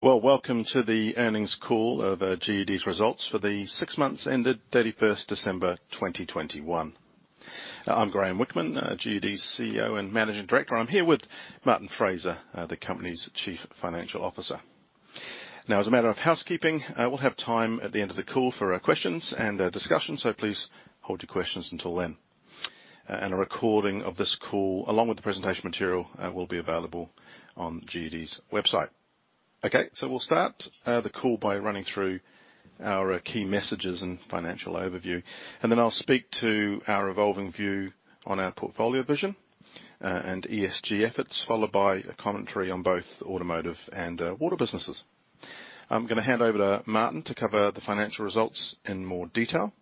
Well, welcome to the earnings call of GUD's results for the six months ending 31st December 2021. I'm Graeme Whickman, GUD's CEO and Managing Director. I'm here with Martin Fraser, the company's Chief Financial Officer. Now, as a matter of housekeeping, we'll have time at the end of the call for questions and discussion, so please hold your questions until then. A recording of this call, along with the presentation material, will be available on GUD's website. Okay, we'll start the call by running through our key messages and financial overview, and then I'll speak to our evolving view on our portfolio vision and ESG efforts, followed by a commentary on both the automotive and water businesses. I'm gonna hand over to Martin to cover the financial results in more detail,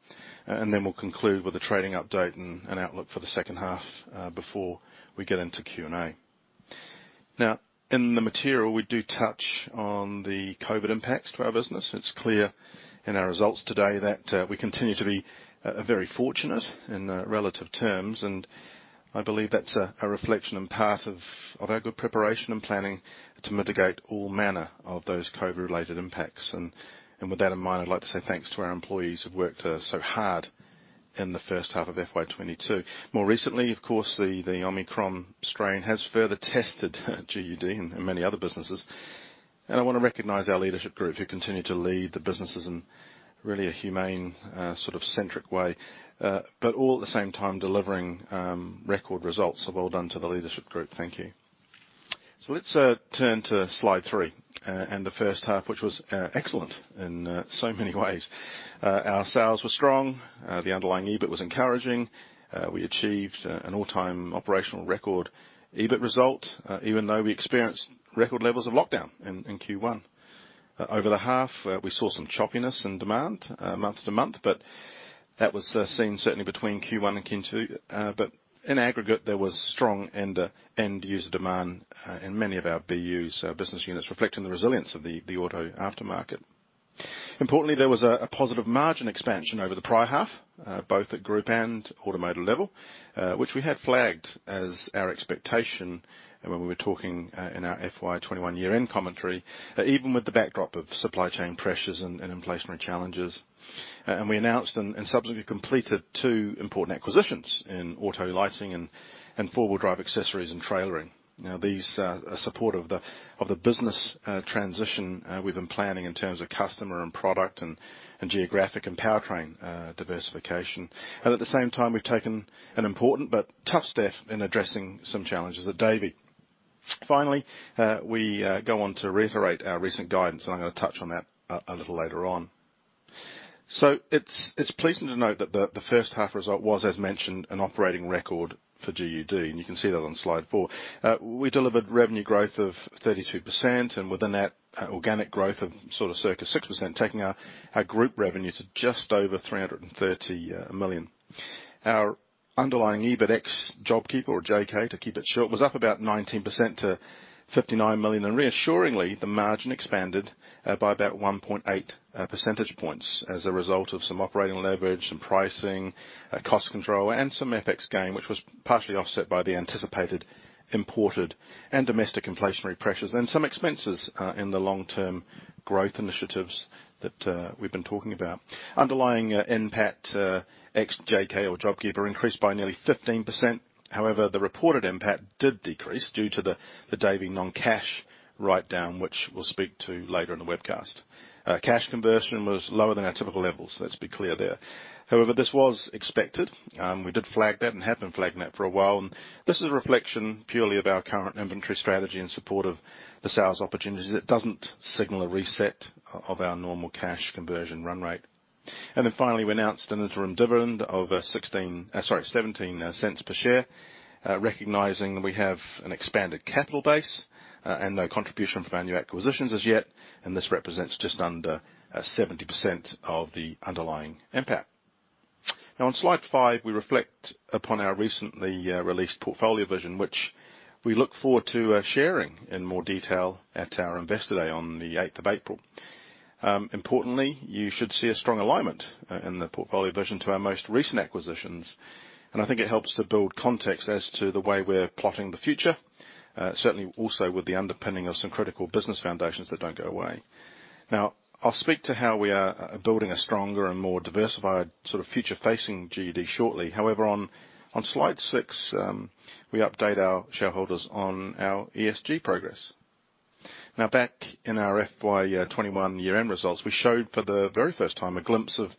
and then we'll conclude with a trading update and outlook for the second half, before we get into Q&A. Now, in the material, we do touch on the COVID impacts to our business. It's clear in our results today that we continue to be very fortunate in relative terms, and I believe that's a reflection and part of our good preparation and planning to mitigate all manner of those COVID-related impacts. With that in mind, I'd like to say thanks to our employees who've worked so hard in the first half of FY 2022. More recently, of course, the Omicron strain has further tested GUD and many other businesses. I wanna recognize our leadership group, who continue to lead the businesses in really a humane, sort of centric way. But all at the same time, delivering record results. Well done to the leadership group. Thank you. Let's turn to Slide three and the first half, which was excellent in so many ways. Our sales were strong. The underlying EBIT was encouraging. We achieved an all-time operational record EBIT result, even though we experienced record levels of lockdown in Q1. Over the half, we saw some choppiness in demand, month to month, but that was seen certainly between Q1 and Q2. But in aggregate, there was strong end user demand in many of our BUs, business units, reflecting the resilience of the auto aftermarket. Importantly, there was a positive margin expansion over the prior half, both at group and automotive level, which we had flagged as our expectation and when we were talking in our FY 2021 year-end commentary, even with the backdrop of supply chain pressures and inflationary challenges. We announced and subsequently completed two important acquisitions in auto lighting and four-wheel drive accessories and trailering. Now these are supportive of the business transition we've been planning in terms of customer and product and geographic and powertrain diversification. At the same time, we've taken an important but tough step in addressing some challenges at Davey. Finally, we go on to reiterate our recent guidance, and I'm gonna touch on that a little later on. It's pleasing to note that the first half result was, as mentioned, an operating record for GUD, and you can see that on slide four. We delivered revenue growth of 32%, and within that, organic growth of sort of circa 6%, taking our group revenue to just over 330 million. Our underlying EBIT ex JobKeeper, or JK to keep it short, was up about 19% to 59 million. Reassuringly, the margin expanded by about 1.8 percentage points as a result of some operating leverage, some pricing, cost control, and some FX gain, which was partially offset by the anticipated imported and domestic inflationary pressures, and some expenses in the long-term growth initiatives that we've been talking about. Underlying NPAT ex JK or JobKeeper increased by nearly 15%. However, the reported NPAT did decrease due to the Davey non-cash write-down, which we'll speak to later in the webcast. Cash conversion was lower than our typical levels. Let's be clear there. However, this was expected. We did flag that and have been flagging that for a while. This is a reflection purely of our current inventory strategy in support of the sales opportunities. It doesn't signal a reset of our normal cash conversion run rate. Then finally, we announced an interim dividend of $17 per share, recognizing that we have an expanded capital base and no contribution from our new acquisitions as yet, and this represents just under 70% of the underlying NPAT. Now, on Slide five, we reflect upon our recently released portfolio vision, which we look forward to sharing in more detail at our Investor Day on the 8th of April. Importantly, you should see a strong alignment in the portfolio vision to our most recent acquisitions, and I think it helps to build context as to the way we're plotting the future. Certainly also with the underpinning of some critical business foundations that don't go away. Now, I'll speak to how we are building a stronger and more diversified, sort of future-facing GUD shortly. However, on Slide six, we update our shareholders on our ESG progress. Now, back in our FY 2021 year-end results, we showed for the very first time a glimpse of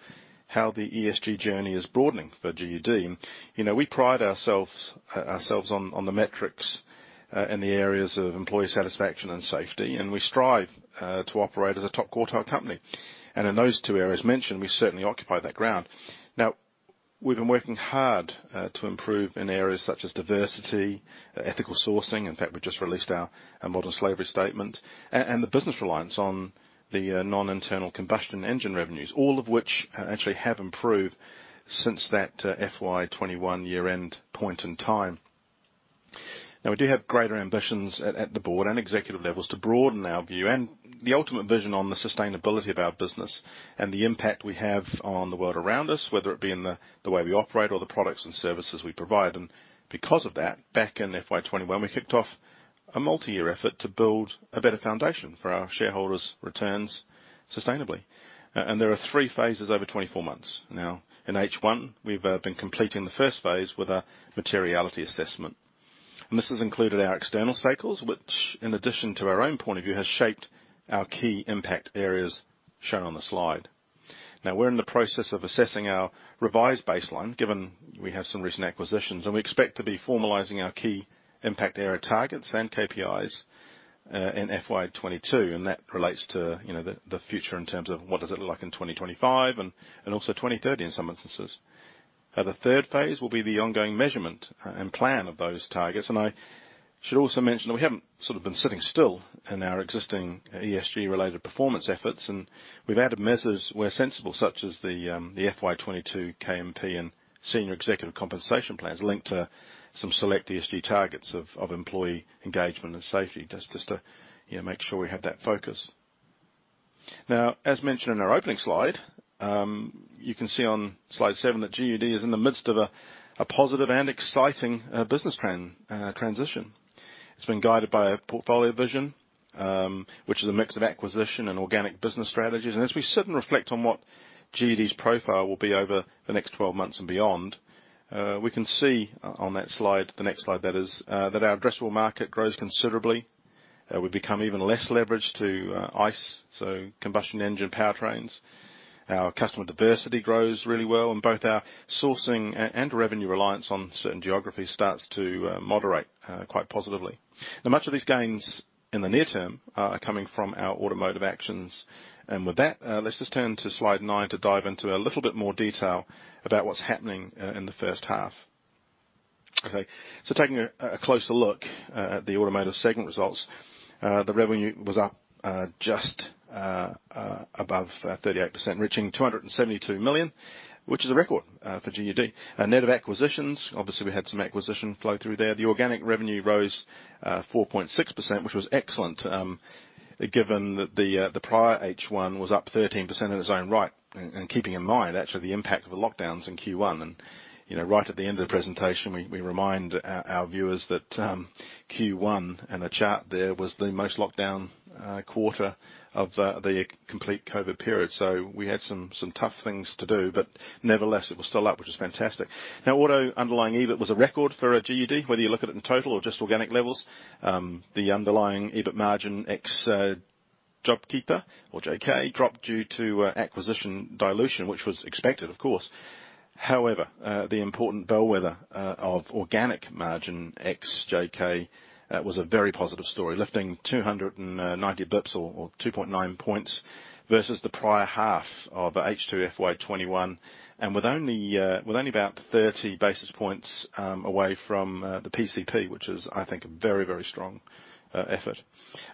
how the ESG journey is broadening for GUD. You know, we pride ourselves on the metrics in the areas of employee satisfaction and safety, and we strive to operate as a top quartile company. In those two areas mentioned, we certainly occupy that ground. Now, we've been working hard to improve in areas such as diversity, ethical sourcing. In fact, we just released our Modern Slavery Statement. And the business reliance on the non-internal combustion engine revenues, all of which actually have improved since that FY 2021 year-end point in time. Now, we do have greater ambitions at the board and executive levels to broaden our view and the ultimate vision on the sustainability of our business and the impact we have on the world around us, whether it be in the way we operate or the products and services we provide. Because of that, back in FY 2021, we kicked off a multi-year effort to build a better foundation for our shareholders' returns sustainably. There are three phases over 24 months. Now, in H1, we've been completing the first phase with a materiality assessment. This has included our external cycles, which in addition to our own point of view, has shaped our key impact areas shown on the slide. Now we're in the process of assessing our revised baseline, given we have some recent acquisitions, and we expect to be formalizing our key impact area targets and KPIs in FY 2022, and that relates to, you know, the future in terms of what does it look like in 2025 and also 2030 in some instances. The third phase will be the ongoing measurement and plan of those targets. I should also mention that we haven't sort of been sitting still in our existing ESG related performance efforts, and we've added measures where sensible, such as the FY 2022 KMP and senior executive compensation plans linked to some select ESG targets of employee engagement and safety, just to you know make sure we have that focus. Now, as mentioned in our opening slide, you can see on slide seven that GUD is in the midst of a positive and exciting business transition. It's been guided by a portfolio vision, which is a mix of acquisition and organic business strategies. As we sit and reflect on what GUD's profile will be over the next 12 months and beyond, we can see on that slide, the next slide that is, that our addressable market grows considerably. We become even less leveraged to ICE, so combustion engine powertrains. Our customer diversity grows really well, and both our sourcing and revenue reliance on certain geographies starts to moderate quite positively. Now much of these gains in the near term are coming from our automotive actions. With that, let's just turn to slide nine to dive into a little bit more detail about what's happening in the first half. Okay, so taking a closer look at the automotive segment results, the revenue was up just above 38%, reaching 272 million, which is a record for GUD. Net of acquisitions, obviously, we had some acquisition flow through there. The organic revenue rose 4.6%, which was excellent, given that the prior H1 was up 13% in its own right, keeping in mind actually the impact of the lockdowns in Q1. You know, right at the end of the presentation, we remind our viewers that Q1 and the chart there was the most lockdown quarter of the complete COVID period. We had some tough things to do, but nevertheless it was still up, which is fantastic. Now, Auto underlying EBIT was a record for GUD, whether you look at it in total or just organic levels. The underlying EBIT margin ex JobKeeper or JK dropped due to acquisition dilution, which was expected, of course. However, the important bellwether of organic margin ex JK was a very positive story, lifting 290 bps or 2.9 points versus the prior half of H2 FY 2021. With only about 30 basis points away from the PCP, which is, I think, a very, very strong effort.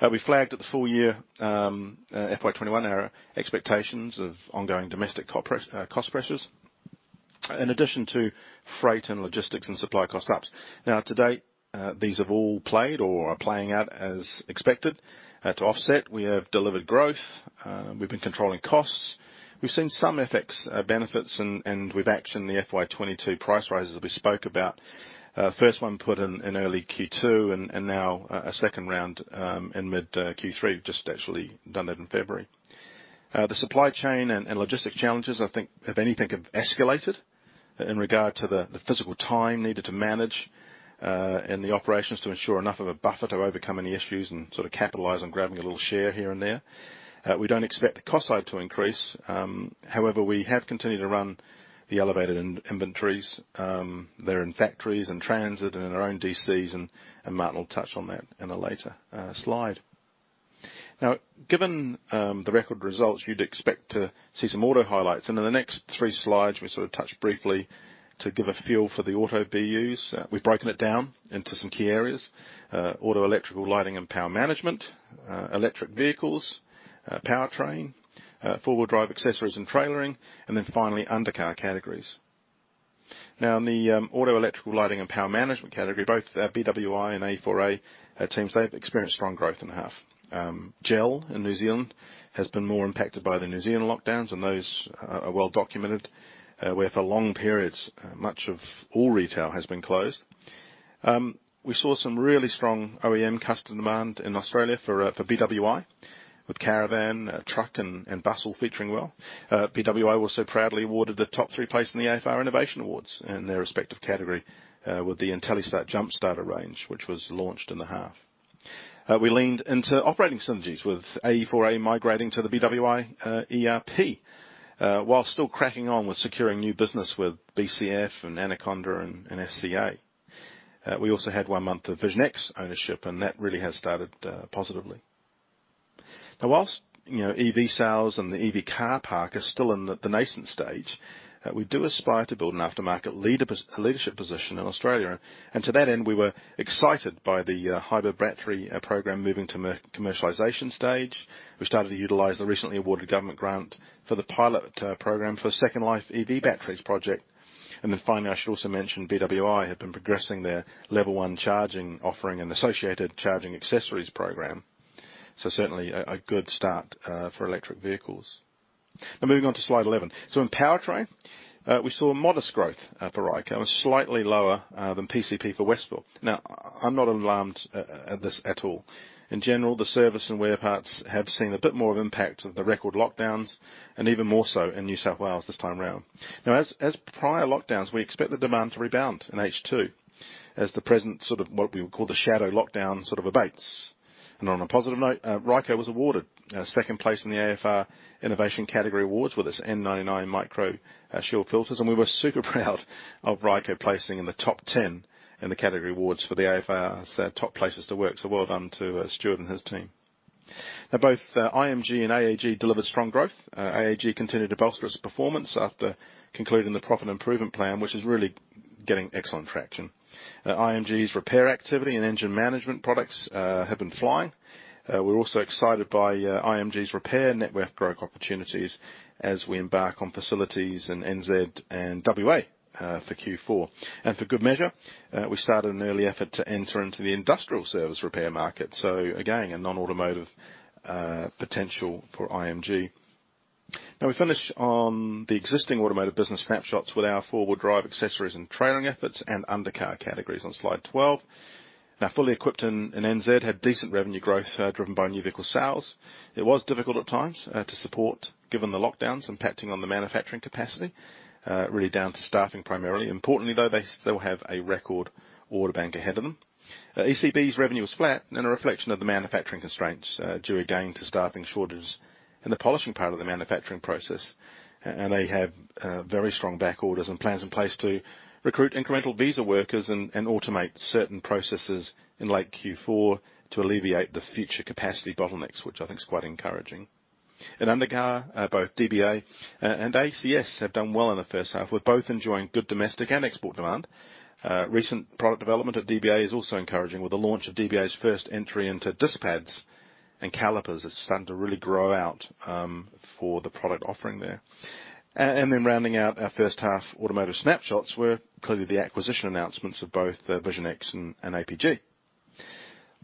We flagged at the full year FY 2021 our expectations of ongoing domestic corporate cost pressures, in addition to freight and logistics and supply cost drops. Now to date, these have all played or are playing out as expected. To offset, we have delivered growth. We've been controlling costs. We've seen some FX benefits and we've actioned the FY 2022 price rises that we spoke about. First one put in early Q2 and now a second round in mid Q3. Just actually done that in February. The supply chain and logistics challenges, I think, if anything, have escalated in regard to the physical time needed to manage and the operations to ensure enough of a buffer to overcome any issues and sort of capitalize on grabbing a little share here and there. We don't expect the cost side to increase. However, we have continued to run the elevated inventories. They're in factories, in transit, and in our own DCs, and Martin will touch on that in a later slide. Now, given the record results, you'd expect to see some auto highlights. In the next three slides, we sort of touch briefly to give a feel for the auto BUs. We've broken it down into some key areas, auto electrical, lighting, and power management, electric vehicles, powertrain, four-wheel drive accessories and trailering, and then finally undercar categories. Now, in the auto electrical, lighting, and power management category, both BWI and AEA teams, they've experienced strong growth in half. GEL in New Zealand has been more impacted by the New Zealand lockdowns, and those are well documented, where for long periods, much of all retail has been closed. We saw some really strong OEM customer demand in Australia for BWI with caravan, truck and bus all featuring well. BWI also proudly awarded third place in the AFR Most Innovative Companies in their respective category with the Intelli-Start Jumpstarter range, which was launched in the half. We leaned into operating synergies with AEA migrating to the BWI ERP while still cracking on with securing new business with BCF and Anaconda and SCA. We also had one month of Vision X ownership, and that really has started positively. Now, while, you know, EV sales and the EV car park are still in the nascent stage, we do aspire to build an aftermarket leadership position in Australia. To that end, we were excited by the Hybrid battery program moving to commercialization stage. We've started to utilize the recently awarded government grant for the pilot program for Second Life EV Batteries project. Then finally, I should also mention BWI have been progressing their level one charging offering and associated charging accessories program. Certainly a good start for electric vehicles. Moving on to slide 11. In powertrain, we saw modest growth for Ryco, and slightly lower than PCP for Westfalia. I'm not alarmed at this at all. In general, the service and wear parts have seen a bit more of impact of the record lockdowns and even more so in New South Wales this time around. As prior lockdowns, we expect the demand to rebound in H2 as the present sort of what we would call the shadow lockdown sort of abates. On a positive note, Ryco was awarded second place in the AFR Innovation category awards with its N99 MicroShield filters. We were super proud of Ryco placing in the top 10 in the category awards for the AFR's top places to work. Well done to Stuart and his team. Now both IMG and AAG delivered strong growth. AAG continued to bolster its performance after concluding the profit improvement plan, which is really getting excellent traction. IMG's repair activity and engine management products have been flying. We're also excited by IMG's repair network growth opportunities as we embark on facilities in NZ and WA for Q4. For good measure, we started an early effort to enter into the industrial service repair market. Again, a non-automotive potential for IMG. Now we finish on the existing automotive business snapshots with our four-wheel drive accessories and trailering efforts and undercar categories on slide 12. Now, Fully Equipped in NZ had decent revenue growth, driven by new vehicle sales. It was difficult at times to support, given the lockdowns impacting on the manufacturing capacity, really down to staffing, primarily. Importantly, though, they still have a record order bank ahead of them. ECB's revenue was flat in a reflection of the manufacturing constraints, due again to staffing shortages in the polishing part of the manufacturing process. They have very strong back orders and plans in place to recruit incremental visa workers and automate certain processes in late Q4 to alleviate the future capacity bottlenecks, which I think is quite encouraging. In undercar, both DBA and ACS have done well in the first half with both enjoying good domestic and export demand. Recent product development at DBA is also encouraging with the launch of DBA's first entry into disc pads and calipers. It's starting to really grow out for the product offering there. Rounding out our first half automotive snapshots were clearly the acquisition announcements of both Vision X and APG.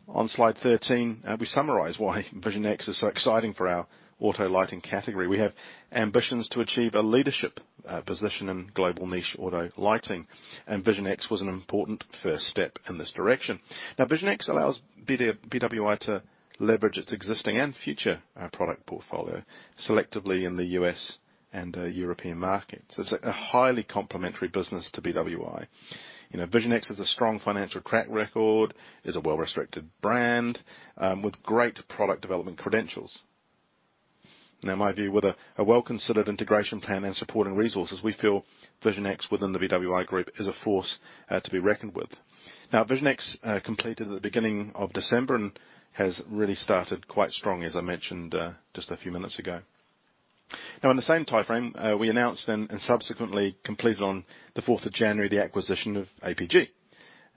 On slide 13, we summarize why Vision X is so exciting for our auto lighting category. We have ambitions to achieve a leadership position in global niche auto lighting, and Vision X was an important first step in this direction. Now, Vision X allows BWI to leverage its existing and future product portfolio selectively in the U.S. and European markets. It's a highly complementary business to BWI. You know, Vision X has a strong financial track record, is a well-respected brand with great product development credentials. Now, my view, with a well-considered integration plan and supporting resources, we feel Vision X within the BWI group is a force to be reckoned with. Now, Vision X completed at the beginning of December and has really started quite strong, as I mentioned just a few minutes ago. Now, in the same timeframe, we announced and subsequently completed on the fourth of January, the acquisition of APG.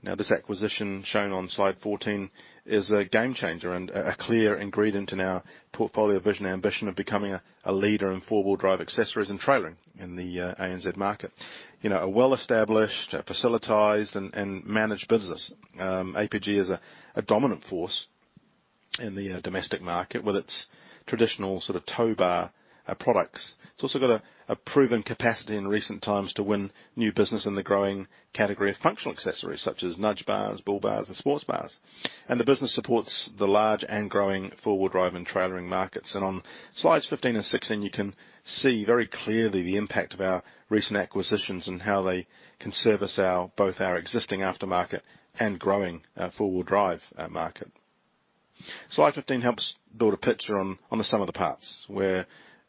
Now, this acquisition shown on slide 14 is a game changer and a clear ingredient in our portfolio vision ambition of becoming a leader in four-wheel drive accessories and trailering in the ANZ market. You know, a well-established, facilitated, and managed business. APG is a dominant force in the domestic market with its traditional sort of tow bar products. It's also got a proven capacity in recent times to win new business in the growing category of functional accessories such as nudge bars, bull bars, and sports bars. The business supports the large and growing four-wheel drive and trailering markets. On slides 15 and 16, you can see very clearly the impact of our recent acquisitions and how they can service both our existing aftermarket and growing four-wheel drive market. Slide 15 helps build a picture on the sum of the parts where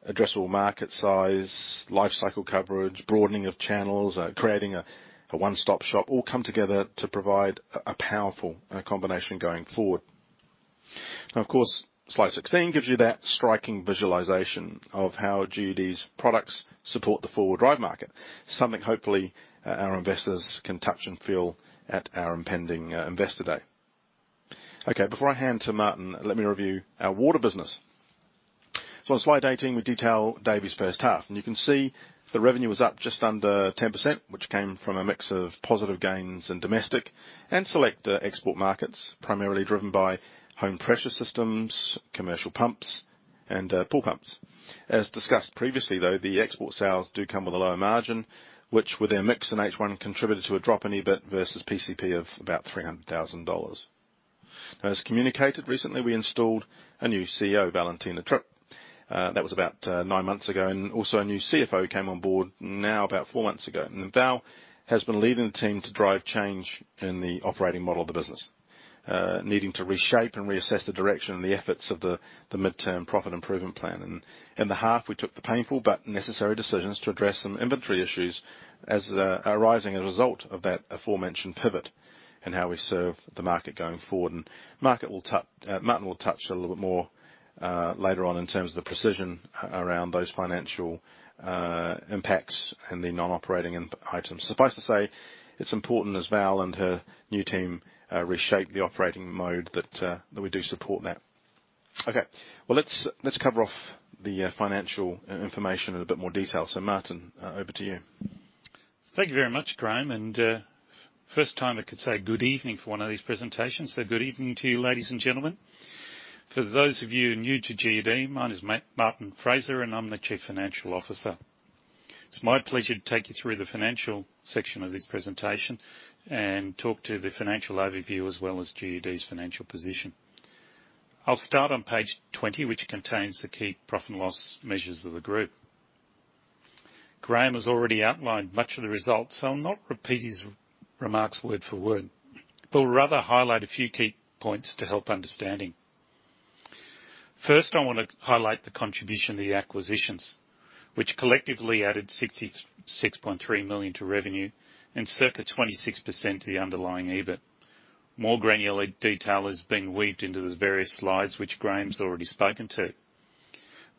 addressable market size, life cycle coverage, broadening of channels, creating a one-stop shop, all come together to provide a powerful combination going forward. Now, of course, slide 16 gives you that striking visualization of how GUD's products support the four-wheel drive market, something hopefully our investors can touch and feel at our impending Investor Day. Okay, before I hand to Martin, let me review our water business. On slide 18, we detail Davey's first half. You can see the revenue was up just under 10%, which came from a mix of positive gains in domestic and select export markets, primarily driven by home pressure systems, commercial pumps, and pool pumps. As discussed previously, though, the export sales do come with a lower margin, which with their mix in H1 contributed to a drop in EBIT versus PCP of about 300,000 dollars. Now, as communicated recently, we installed a new CEO, Valentina Tripp. That was about nine months ago, and also a new CFO came on board now about four months ago. Val has been leading the team to drive change in the operating model of the business, needing to reshape and reassess the direction and the efforts of the midterm profit improvement plan. In the half, we took the painful but necessary decisions to address some inventory issues as arising as a result of that aforementioned pivot in how we serve the market going forward. Martin will touch a little bit more later on in terms of the precision around those financial impacts and the non-operating items. Suffice to say, it's important as Val and her new team reshape the operating mode that we do support that. Okay. Well, let's cover off the financial information in a bit more detail. Martin, over to you. Thank you very much, Graeme, and first time I could say good evening for one of these presentations. Good evening to you, ladies and gentlemen. For those of you new to GUD, my name is Martin Fraser, and I'm the Chief Financial Officer. It's my pleasure to take you through the financial section of this presentation and talk to the financial overview as well as GUD's financial position. I'll start on page 20, which contains the key profit and loss measures of the group. Graeme has already outlined much of the results, so I'll not repeat his remarks word for word, but rather highlight a few key points to help understanding. First, I wanna highlight the contribution of the acquisitions, which collectively added 66.3 million to revenue and circa 26% to the underlying EBIT. More granular detail is being weaved into the various slides which Graeme's already spoken to.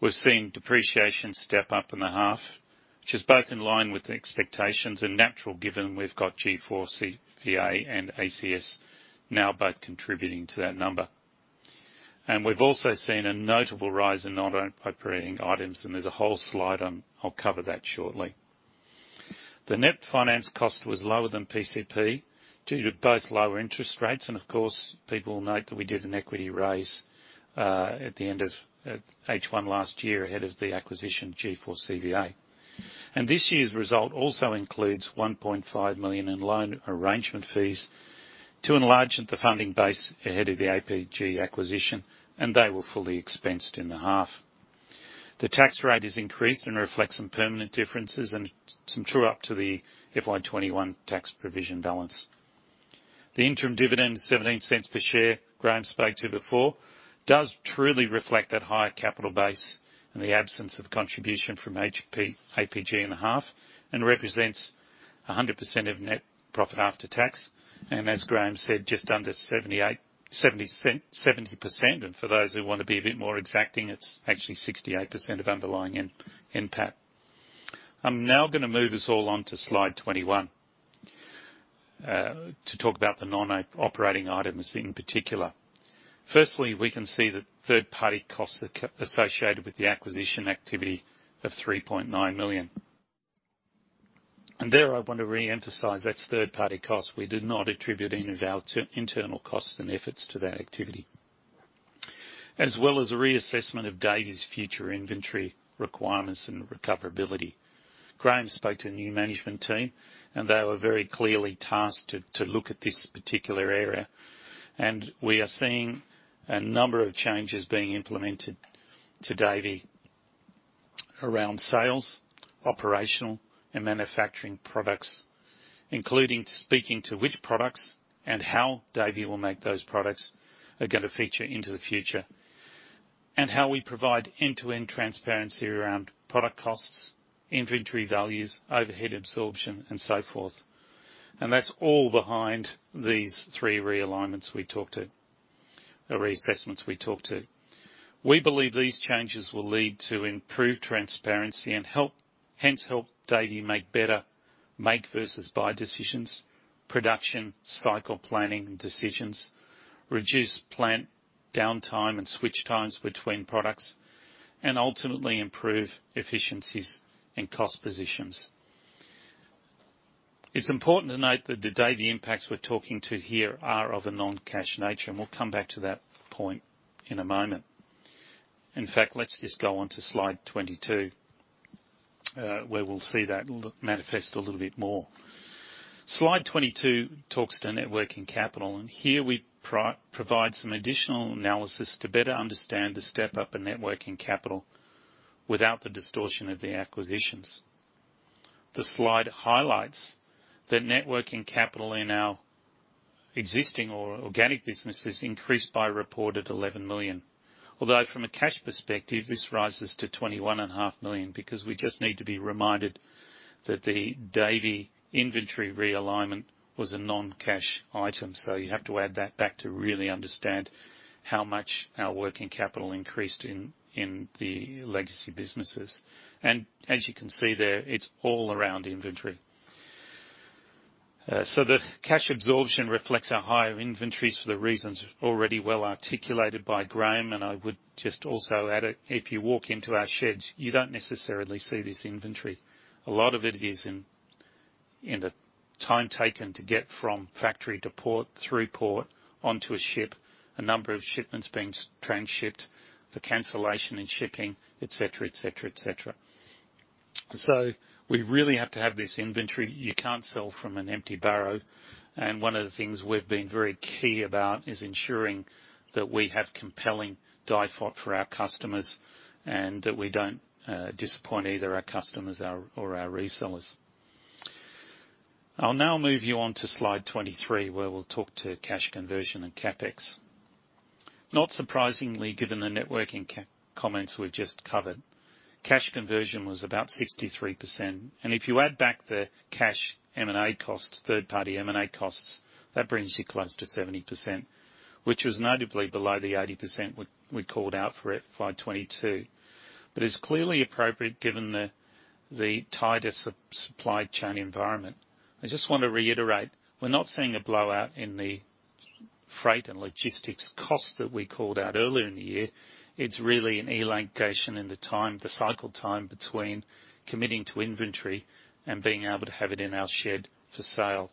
We're seeing depreciation step up in the half, which is both in line with the expectations and natural given we've got G4CVA and ACS now both contributing to that number. We've also seen a notable rise in non-operating items. There's a whole slide on non-operating items. I'll cover that shortly. The net finance cost was lower than PCP due to both lower interest rates, and of course, people will note that we did an equity raise at the end of H1 last year ahead of the acquisition G4CVA. This year's result also includes 1.5 million in loan arrangement fees to enlarge the funding base ahead of the APG acquisition, and they were fully expensed in the half. The tax rate is increased and reflects some permanent differences and some true up to the FY 2021 tax provision balance. The interim dividend is AUD 0.17 per share, Graeme spoke to before, does truly reflect that higher capital base and the absence of contribution from HP-APG in the half and represents 100% of net profit after tax. As Graeme said, just under 78%, 70%. For those who wanna be a bit more exacting, it's actually 68% of underlying NPAT. I'm now gonna move us all on to slide 21 to talk about the non-operating items in particular. First, we can see that third-party costs associated with the acquisition activity of 3.9 million. There I want to re-emphasize that's third-party cost. We did not attribute any of our internal costs and efforts to that activity. As well as a reassessment of Davey's future inventory requirements and recoverability. Graeme spoke to the new management team, and they were very clearly tasked to look at this particular area. We are seeing a number of changes being implemented to Davey around sales, operational and manufacturing products, including speaking to which products and how Davey will make those products are gonna feature into the future. How we provide end-to-end transparency around product costs, inventory values, overhead absorption, and so forth. That's all behind these three realignments we talked to. Or reassessments we talked to. We believe these changes will lead to improved transparency and help Davey make better make versus buy decisions, production, cycle planning decisions, reduce plant downtime and switch times between products, and ultimately improve efficiencies and cost positions. It's important to note that the Davey impacts we're talking to here are of a non-cash nature, and we'll come back to that point in a moment. In fact, let's just go on to slide 22, where we'll see that manifest a little bit more. Slide 22 talks to net working capital, and here we provide some additional analysis to better understand the step-up in net working capital without the distortion of the acquisitions. The slide highlights that net working capital in our existing or organic businesses increased by a reported 11 million. Although from a cash perspective, this rises to 21.5 million because we just need to be reminded that the Davey inventory realignment was a non-cash item. You have to add that back to really understand how much our working capital increased in the legacy businesses. As you can see there, it's all around inventory. The cash absorption reflects our higher inventories for the reasons already well articulated by Graeme. I would just also add, if you walk into our sheds, you don't necessarily see this inventory. A lot of it is in the time taken to get from factory to port, through port, onto a ship, a number of shipments being transshipped, the congestion in shipping, et cetera. We really have to have this inventory. You can't sell from an empty barrow. One of the things we've been very keen about is ensuring that we have compelling range for our customers and that we don't disappoint either our customers or our resellers. I'll now move you on to slide 23, where we'll talk to cash conversion and CapEx. Not surprisingly, given the net working capital comments we've just covered, cash conversion was about 63%. If you add back the cash M&A costs, third-party M&A costs, that brings you close to 70%, which was notably below the 80% we called out for it for FY 2022. It's clearly appropriate given the tighter supply chain environment. I just want to reiterate, we're not seeing a blowout in the freight and logistics costs that we called out earlier in the year, it's really an elongation in the time, the cycle time between committing to inventory and being able to have it in our shed for sale,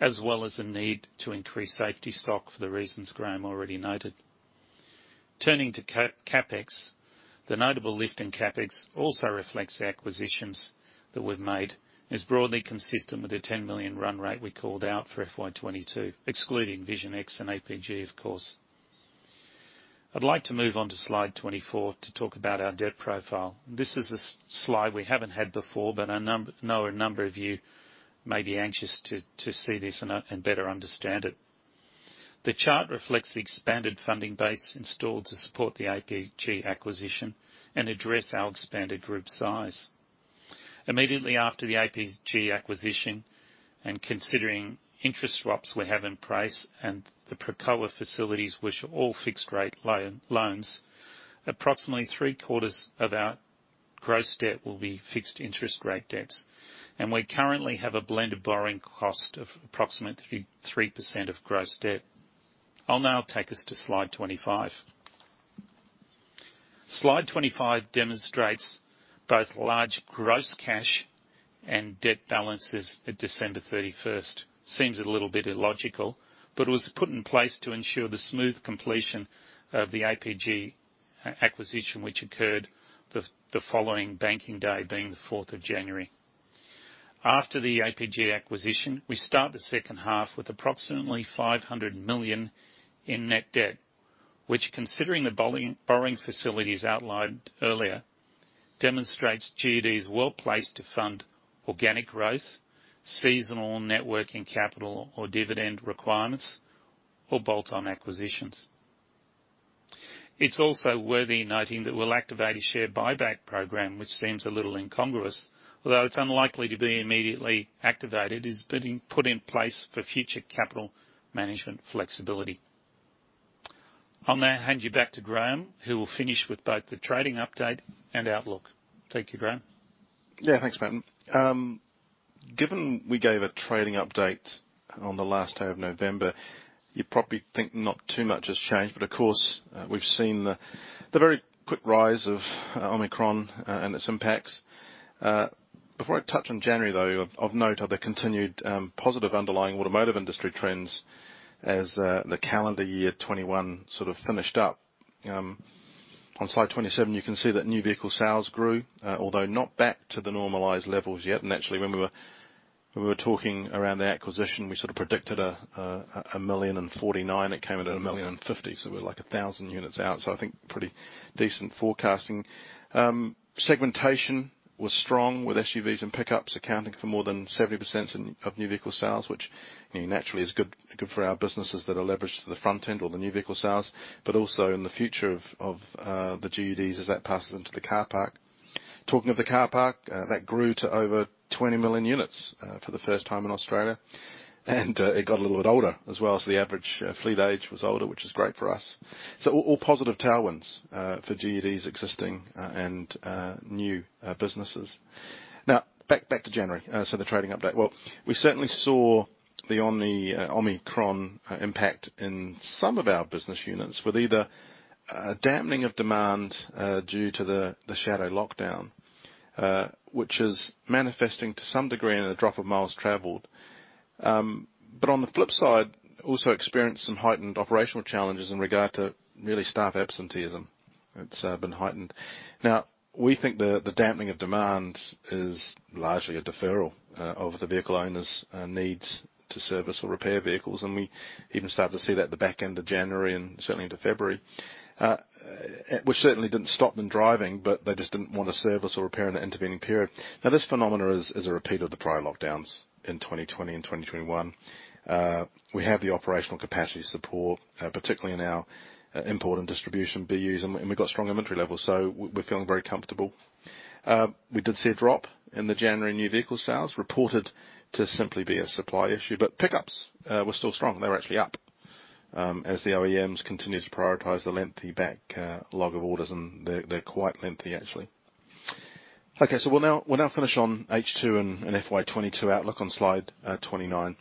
as well as the need to increase safety stock for the reasons Graeme already noted. Turning to CapEx, the notable lift in CapEx also reflects the acquisitions that we've made, is broadly consistent with the 10 million run rate we called out for FY 2022, excluding Vision X and APG, of course. I'd like to move on to slide 24 to talk about our debt profile. This is a slide we haven't had before, but a number of you may be anxious to see this and better understand it. The chart reflects the expanded funding base installed to support the APG acquisition and address our expanded group size. Immediately after the APG acquisition, and considering interest swaps we have in place and the Procurator facilities, which are all fixed rate loans, approximately three-quarters of our gross debt will be fixed interest rate debts. We currently have a blended borrowing cost of approximately 3% of gross debt. I'll now take us to slide 25. Slide 25 demonstrates both large gross cash and debt balances at December 31st. It seems a little bit illogical, but it was put in place to ensure the smooth completion of the APG acquisition, which occurred the following banking day being the 4th of January. After the APG acquisition, we start the second half with approximately 500 million in net debt, which, considering the borrowing facilities outlined earlier, demonstrates GUD's well-placed to fund organic growth, seasonal working capital or dividend requirements, or bolt-on acquisitions. It's also worth noting that we'll activate a share buyback program, which seems a little incongruous. Although it's unlikely to be immediately activated, it's been put in place for future capital management flexibility. I'll now hand you back to Graeme, who will finish with both the trading update and outlook. Thank you, Graeme. Yeah, thanks, Martin. Given we gave a trading update on the last day of November, you probably think not too much has changed, but of course, we've seen the very quick rise of Omicron and its impacts. Before I touch on January, though, of note are the continued positive underlying automotive industry trends as the calendar year 2021 sort of finished up. On slide 27, you can see that new vehicle sales grew, although not back to the normalized levels yet. Actually, when we were talking around the acquisition, we sort of predicted a 1,049 million. It came in at 1,050 million, so we're like 1,000 units out, so I think pretty decent forecasting. Segmentation was strong, with SUVs and pickups accounting for more than 70% of new vehicle sales, which, you know, naturally is good for our businesses that are leveraged to the front end or the new vehicle sales, but also in the future of the GUD's as that passes into the car park. Talking of the car park, that grew to over 20 million units for the first time in Australia. It got a little bit older as well, so the average fleet age was older, which is great for us. All positive tailwinds for GUD's existing and new businesses. Now back to January, the trading update. Well, we certainly saw the Omicron impact in some of our business units, with either a dampening of demand due to the shadow lockdown, which is manifesting to some degree in a drop of miles traveled. But on the flip side, also experienced some heightened operational challenges in regard to really staff absenteeism. It's been heightened. Now, we think the dampening of demand is largely a deferral of the vehicle owners' needs to service or repair vehicles. We even started to see that at the back end of January and certainly into February. Which certainly didn't stop them driving, but they just didn't want to service or repair in the intervening period. Now, this phenomenon is a repeat of the prior lockdowns in 2020 and 2021. We have the operational capacity support, particularly in our import and distribution BUs, and we've got strong inventory levels, so we're feeling very comfortable. We did see a drop in the January new vehicle sales, reported to simply be a supply issue. Pickups were still strong. They were actually up, as the OEMs continue to prioritize the lengthy backlog of orders, and they're quite lengthy, actually. We'll now finish on H2 and FY 2022 outlook on slide 29.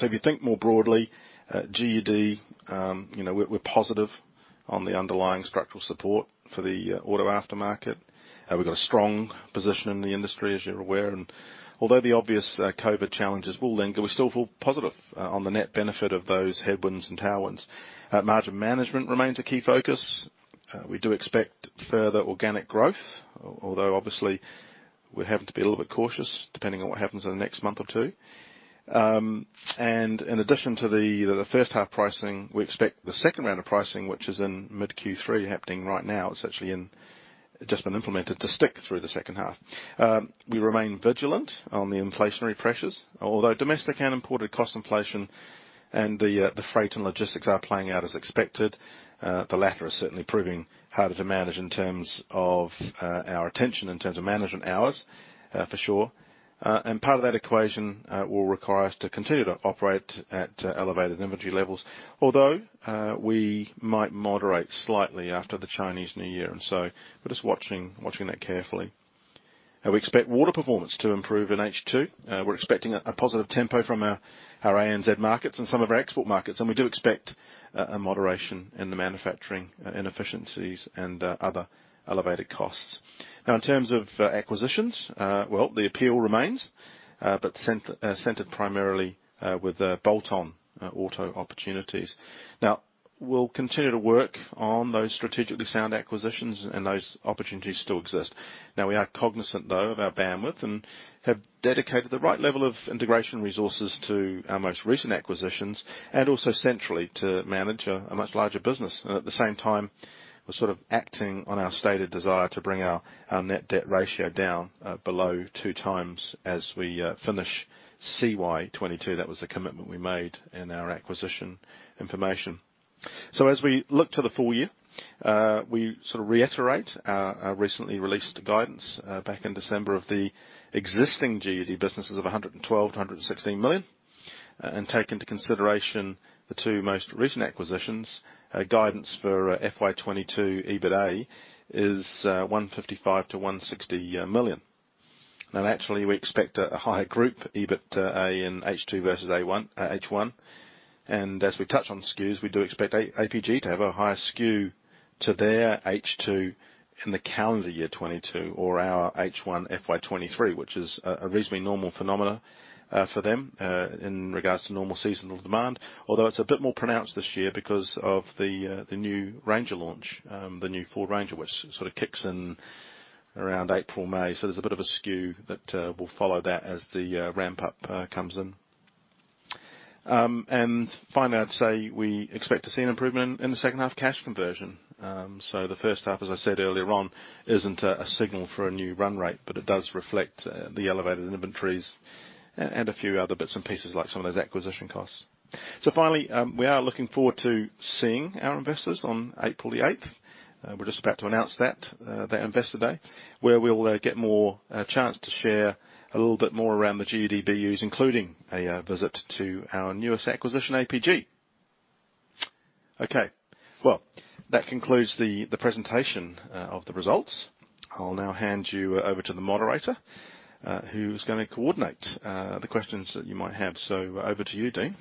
If you think more broadly at GUD, you know, we're positive on the underlying structural support for the auto aftermarket. We've got a strong position in the industry, as you're aware. Although the obvious COVID challenges will linger, we still feel positive on the net benefit of those headwinds and tailwinds. Margin management remains a key focus. We do expect further organic growth, although obviously we're having to be a little bit cautious, depending on what happens in the next month or two. In addition to the first half pricing, we expect the second round of pricing, which is in mid Q3 happening right now. It's actually just been implemented to stick through the second half. We remain vigilant on the inflationary pressures, although domestic and imported cost inflation and the freight and logistics are playing out as expected. The latter is certainly proving harder to manage in terms of our attention, in terms of management hours, for sure. Part of that equation will require us to continue to operate at elevated inventory levels, although we might moderate slightly after the Chinese New Year. We're just watching that carefully. We expect water performance to improve in H2. We're expecting a positive tempo from our AZN markets and some of our export markets. We do expect a moderation in the manufacturing inefficiencies and other elevated costs. Now, in terms of acquisitions, well, the appeal remains, but centered primarily with bolt-on auto opportunities. Now, we'll continue to work on those strategically sound acquisitions and those opportunities still exist. Now, we are cognizant, though, of our bandwidth and have dedicated the right level of integration resources to our most recent acquisitions and also centrally to manage a much larger business. At the same time, we're sort of acting on our stated desire to bring our net debt ratio down below two times as we finish CY 2022. That was the commitment we made in our acquisition information. As we look to the full year, we sort of reiterate our recently released guidance back in December of the existing GUD businesses of 112 million-116 million, and take into consideration the two most recent acquisitions, guidance for FY 2022 EBITA is 155 millon-AUD 160 million. Now naturally, we expect a higher group EBITA in H2 versus H1. As we touch on SKUs, we do expect APG to have a higher SKU in their H2 in the calendar year 2022 or our H1 FY 2023, which is a reasonably normal phenomenon for them in regards to normal seasonal demand, although it's a bit more pronounced this year because of the new Ranger launch, the new Ford Ranger, which sort of kicks in around April, May. There's a bit of a SKU that will follow that as the ramp-up comes in. Finally, I'd say we expect to see an improvement in the second half cash conversion. The first half, as I said earlier on, isn't a signal for a new run rate, but it does reflect the elevated inventories and a few other bits and pieces like some of those acquisition costs. Finally, we are looking forward to seeing our investors on April the eighth. We're just about to announce that investor day, where we'll get more chance to share a little bit more around the GUD BUs, including a visit to our newest acquisition, APG. Okay, well, that concludes the presentation of the results. I'll now hand you over to the moderator, who's gonna coordinate the questions that you might have. Over to you, Dean.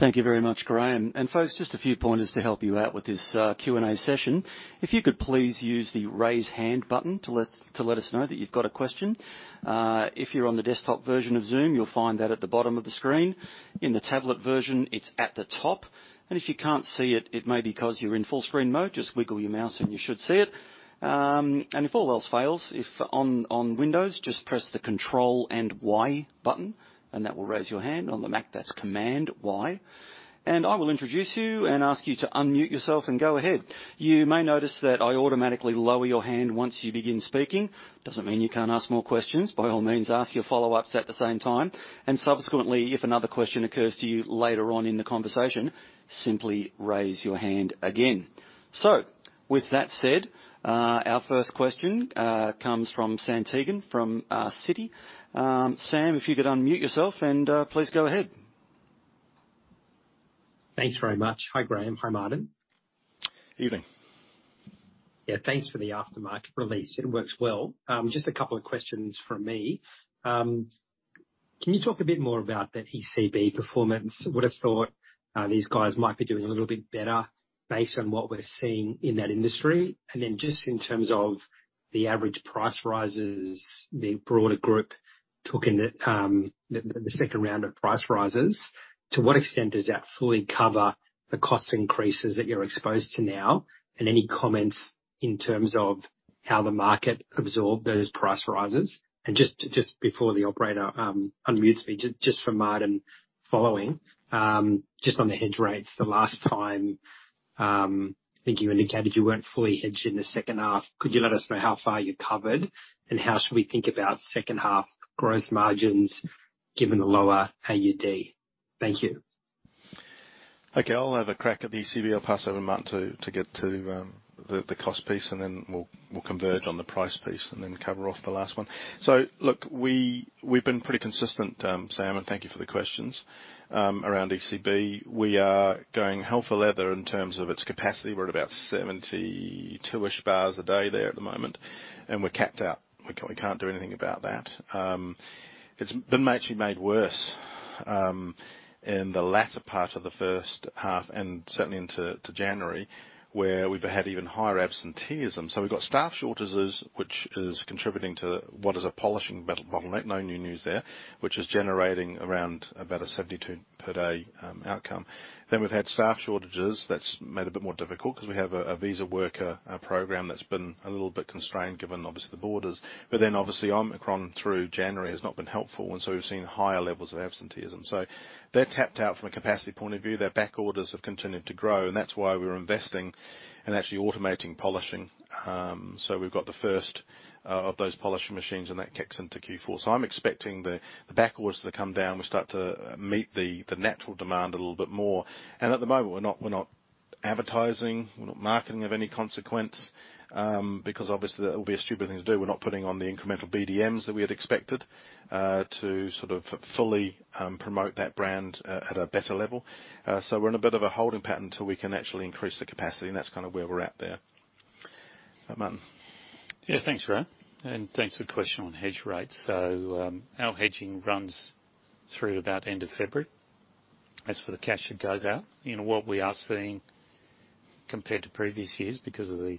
Thank you very much, Graeme. Folks, just a few pointers to help you out with this Q&A session. If you could please use the Raise Hand button to let us know that you've got a question. If you're on the desktop version of Zoom, you'll find that at the bottom of the screen. In the tablet version, it's at the top. If you can't see it may be cause you're in full screen mode, just wiggle your mouse and you should see it. If all else fails, if on Windows, just press the Control and Y button, and that will raise your hand. On the Mac, that's Command Y. I will introduce you and ask you to unmute yourself and go ahead. You may notice that I automatically lower your hand once you begin speaking. Doesn't mean you can't ask more questions. By all means, ask your follow-ups at the same time. Subsequently, if another question occurs to you later on in the conversation, simply raise your hand again. With that said, our first question comes from Sam Teeger from Citi. Sam, if you could unmute yourself, and please go ahead. Thanks very much. Hi, Graeme. Hi, Martin. Evening. Yeah, thanks for the aftermarket release. It works well. Just a couple of questions from me. Can you talk a bit more about that ECB performance? Would have thought these guys might be doing a little bit better based on what we're seeing in that industry. Then just in terms of the average price rises the broader group took in, the second round of price rises. To what extent does that fully cover the cost increases that you're exposed to now? Any comments in terms of how the market absorbed those price rises? Just before the operator unmutes me, just for Martin following, just on the hedge rates, the last time I think you indicated you weren't fully hedged in the second half. Could you let us know how far you covered, and how should we think about second half growth margins given the lower AUD? Thank you. Okay. I'll have a crack at the ECB. I'll pass over Martin to get to the cost piece, and then we'll converge on the price piece and then cover off the last one. Look, we've been pretty consistent, Sam, and thank you for the questions, around ECB. We are going hell for leather in terms of its capacity. We're at about 72-ish bars a day there at the moment, and we're capped out. We can't do anything about that. It's been actually made worse in the latter part of the first half and certainly into January, where we've had even higher absenteeism. We've got staff shortages, which is contributing to what is a polishing bottleneck. No new news there, which is generating around about a 72 per day outcome. Then we've had staff shortages. That's made a bit more difficult cause we have a visa worker program that's been a little bit constrained given obviously the borders. Obviously Omicron through January has not been helpful. We've seen higher levels of absenteeism. They're tapped out from a capacity point of view. Their back orders have continued to grow, and that's why we're investing and actually automating polishing. We've got the first of those polishing machines and that kicks into Q4. I'm expecting the back orders to come down. We start to meet the natural demand a little bit more. At the moment, we're not advertising, we're not marketing of any consequence, because obviously that will be a stupid thing to do. We're not putting on the incremental BDMs that we had expected to sort of fully promote that brand at a better level. We're in a bit of a holding pattern till we can actually increase the capacity, and that's kinda where we're at there. Martin? Yeah, thanks, Graeme. Thanks for the question on hedge rates. Our hedging runs through about end of February. As for the cash that goes out, you know what we are seeing compared to previous years because of the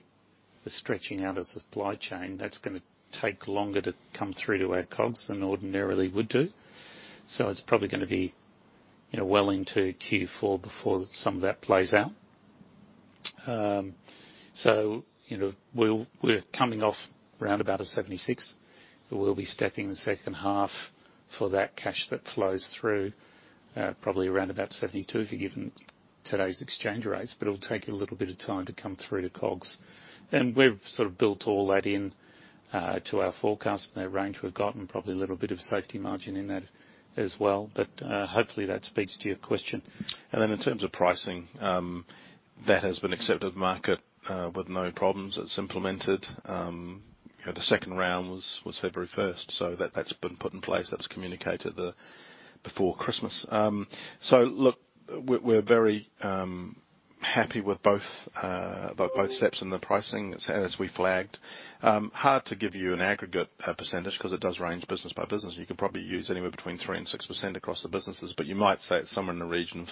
stretching out of supply chain, that's gonna take longer to come through to our COGS than ordinarily would do. It's probably gonna be, you know, well into Q4 before some of that plays out. You know, we're coming off roundabout a 76, but we'll be stepping the second half for that cash that flows through, probably around about 72 if you're given today's exchange rates. It'll take a little bit of time to come through to COGS. We've sort of built all that in to our forecast and our range we've gotten, probably a little bit of safety margin in that as well. Hopefully that speaks to your question. In terms of pricing, that has been accepted in the market with no problems. It's implemented. You know, the second round was February first, so that's been put in place. That's communicated before Christmas. Look, we're very happy with both steps in the pricing, as we flagged. Hard to give you an aggregate percentage 'cause it does range business by business. You could probably use anywhere between 3%-6% across the businesses, but you might say it's somewhere in the region of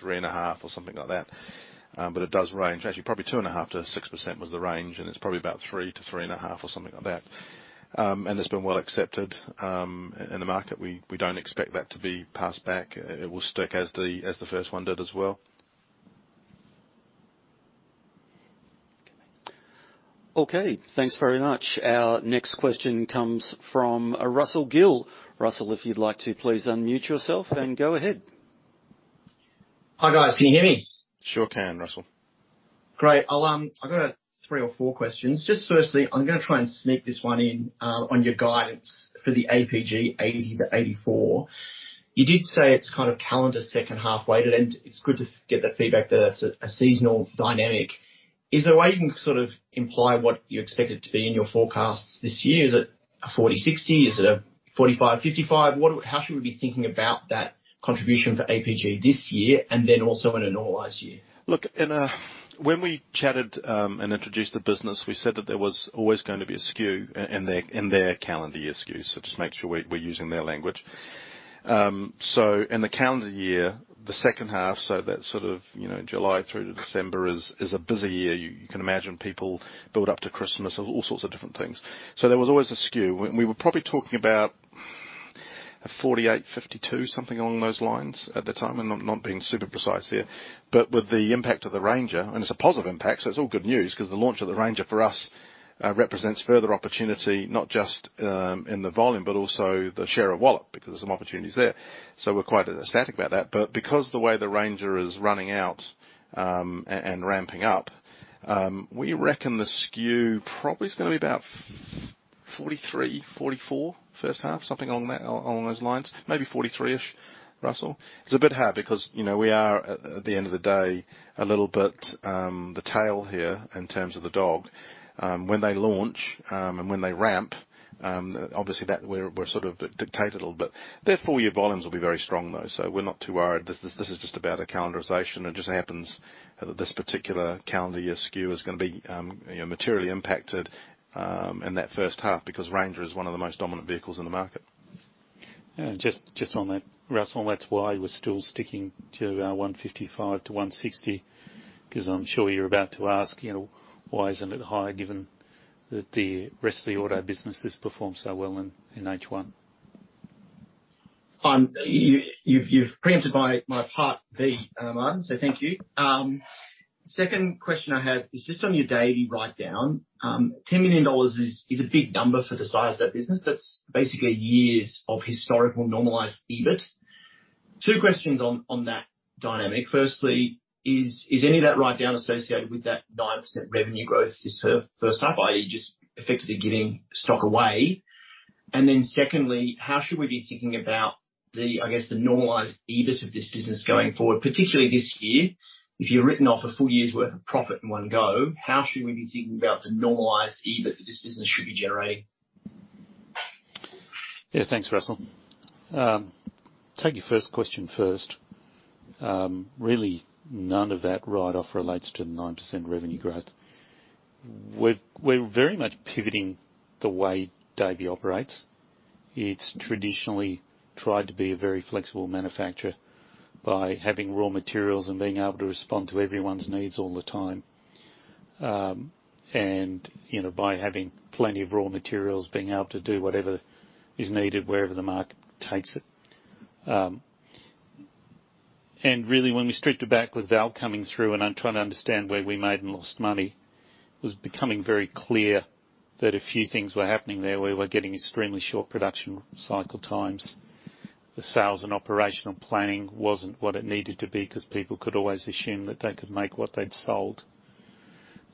3.5% or something like that. But it does range. Actually, probably 2.5%-6% was the range, and it's probably about 3%-3.5% or something like that. It's been well accepted in the market. We don't expect that to be passed back. It will stick as the first one did as well. Okay. Thanks very much. Our next question comes from Russell Gill. Russell, if you'd like to please unmute yourself and go ahead. Hi, guys. Can you hear me? Sure can, Russell. Great. I'll, I've got three or four questions. Just firstly, I'm gonna try and sneak this one in, on your guidance for the APG 80%-84%. You did say it's kind of calendar second half weighted, and it's good to get that feedback that it's a seasonal dynamic. Is there a way you can sort of imply what you expect it to be in your forecasts this year? Is it a 40%-60%? Is it a 45%-55%? How should we be thinking about that contribution for APG this year and then also in a normalized year? Look, when we chatted and introduced the business, we said that there was always going to be a skew in their calendar year skews. Just make sure we're using their language. In the calendar year, the second half, that sort of, you know, July through to December is a busy year. You can imagine people build up to Christmas, all sorts of different things. There was always a skew. We were probably talking about a 48%-52%, something along those lines at the time, and not being super precise there. With the impact of the Ranger, and it's a positive impact, so it's all good news 'cause the launch of the Ranger for us represents further opportunity, not just in the volume, but also the share of wallet because there's some opportunities there. We're quite ecstatic about that. Because the way the Ranger is running out and ramping up, we reckon the skew probably is gonna be about 43%, 44% first half, something along those lines, maybe 43%-ish, Russell. It's a bit hard because, you know, we are at the end of the day a little bit the tail here in terms of the dog. When they launch and when they ramp, obviously we're sort of dictated a little bit. Therefore, your volumes will be very strong, though. We're not too worried. This is just about a calendarization. It just happens that this particular calendar year skew is gonna be, you know, materially impacted in that first half because Ranger is one of the most dominant vehicles in the market. Yeah, just on that, Russell, that's why we're still sticking to our 155 million-160 million, 'cause I'm sure you're about to ask, you know, why isn't it higher given that the rest of the auto business has performed so well in H1. You've preempted my part B, Martin, so thank you. Second question I had is just on your Davey write-down. 10 million dollars is a big number for the size of that business. That's basically years of historical normalized EBIT. Two questions on that dynamic. Firstly, is any of that write-down associated with that 9% revenue growth this first half, i.e., just effectively giving stock away? And then secondly, how should we be thinking about the, I guess, the normalized EBIT of this business going forward, particularly this year? If you've written off a full year's worth of profit in one go, how should we be thinking about the normalized EBIT that this business should be generating? Yeah. Thanks, Russell. Take your first question first. Really none of that write-off relates to the 9% revenue growth. We're very much pivoting the way Davey operates. It's traditionally tried to be a very flexible manufacturer by having raw materials and being able to respond to everyone's needs all the time. You know, by having plenty of raw materials, being able to do whatever is needed wherever the market takes it. Really, when we stripped it back with Val coming through and trying to understand where we made and lost money, it was becoming very clear that a few things were happening there where we're getting extremely short production cycle times. The sales and operational planning wasn't what it needed to be 'cause people could always assume that they could make what they'd sold.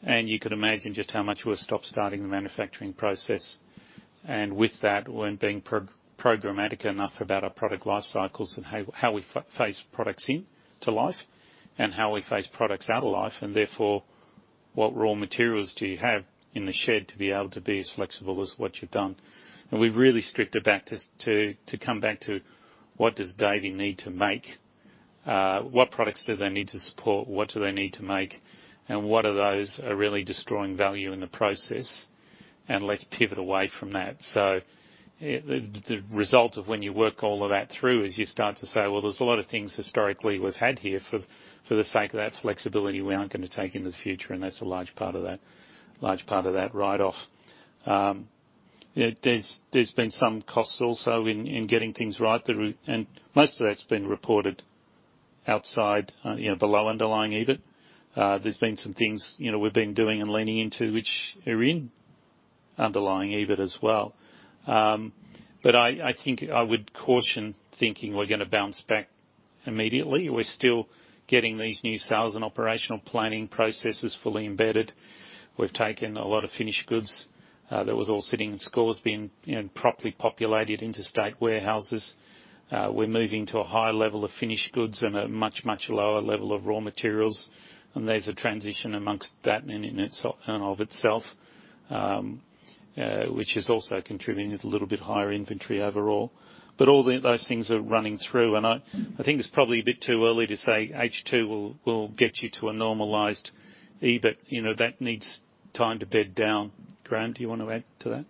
You could imagine just how much we were stop-starting the manufacturing process. With that, we weren't being pro-programmatic enough about our product life cycles and how we phase products into life and how we phase products out of life and therefore, what raw materials do you have in the shed to be able to be as flexible as what you've done. We've really stripped it back to come back to what does Davey need to make, what products do they need to support? What do they need to make? What of those are really destroying value in the process, and let's pivot away from that. The result of when you work all of that through is you start to say, "Well, there's a lot of things historically we've had here for the sake of that flexibility we aren't gonna take in the future," and that's a large part of that write-off. There's been some costs also in getting things right through, and most of that's been reported outside, below underlying EBIT. There's been some things we've been doing and leaning into which are in underlying EBIT as well. I think I would caution thinking we're gonna bounce back immediately. We're still getting these new sales and operational planning processes fully embedded. We've taken a lot of finished goods that was all sitting in stores, being properly populated into state warehouses. We're moving to a higher level of finished goods and a much lower level of raw materials, and there's a transition among that in and of itself, which is also contributing to a little bit higher inventory overall. All those things are running through. I think it's probably a bit too early to say H2 will get you to a normalized EBIT. You know, that needs time to bed down. Graeme, do you wanna add to that?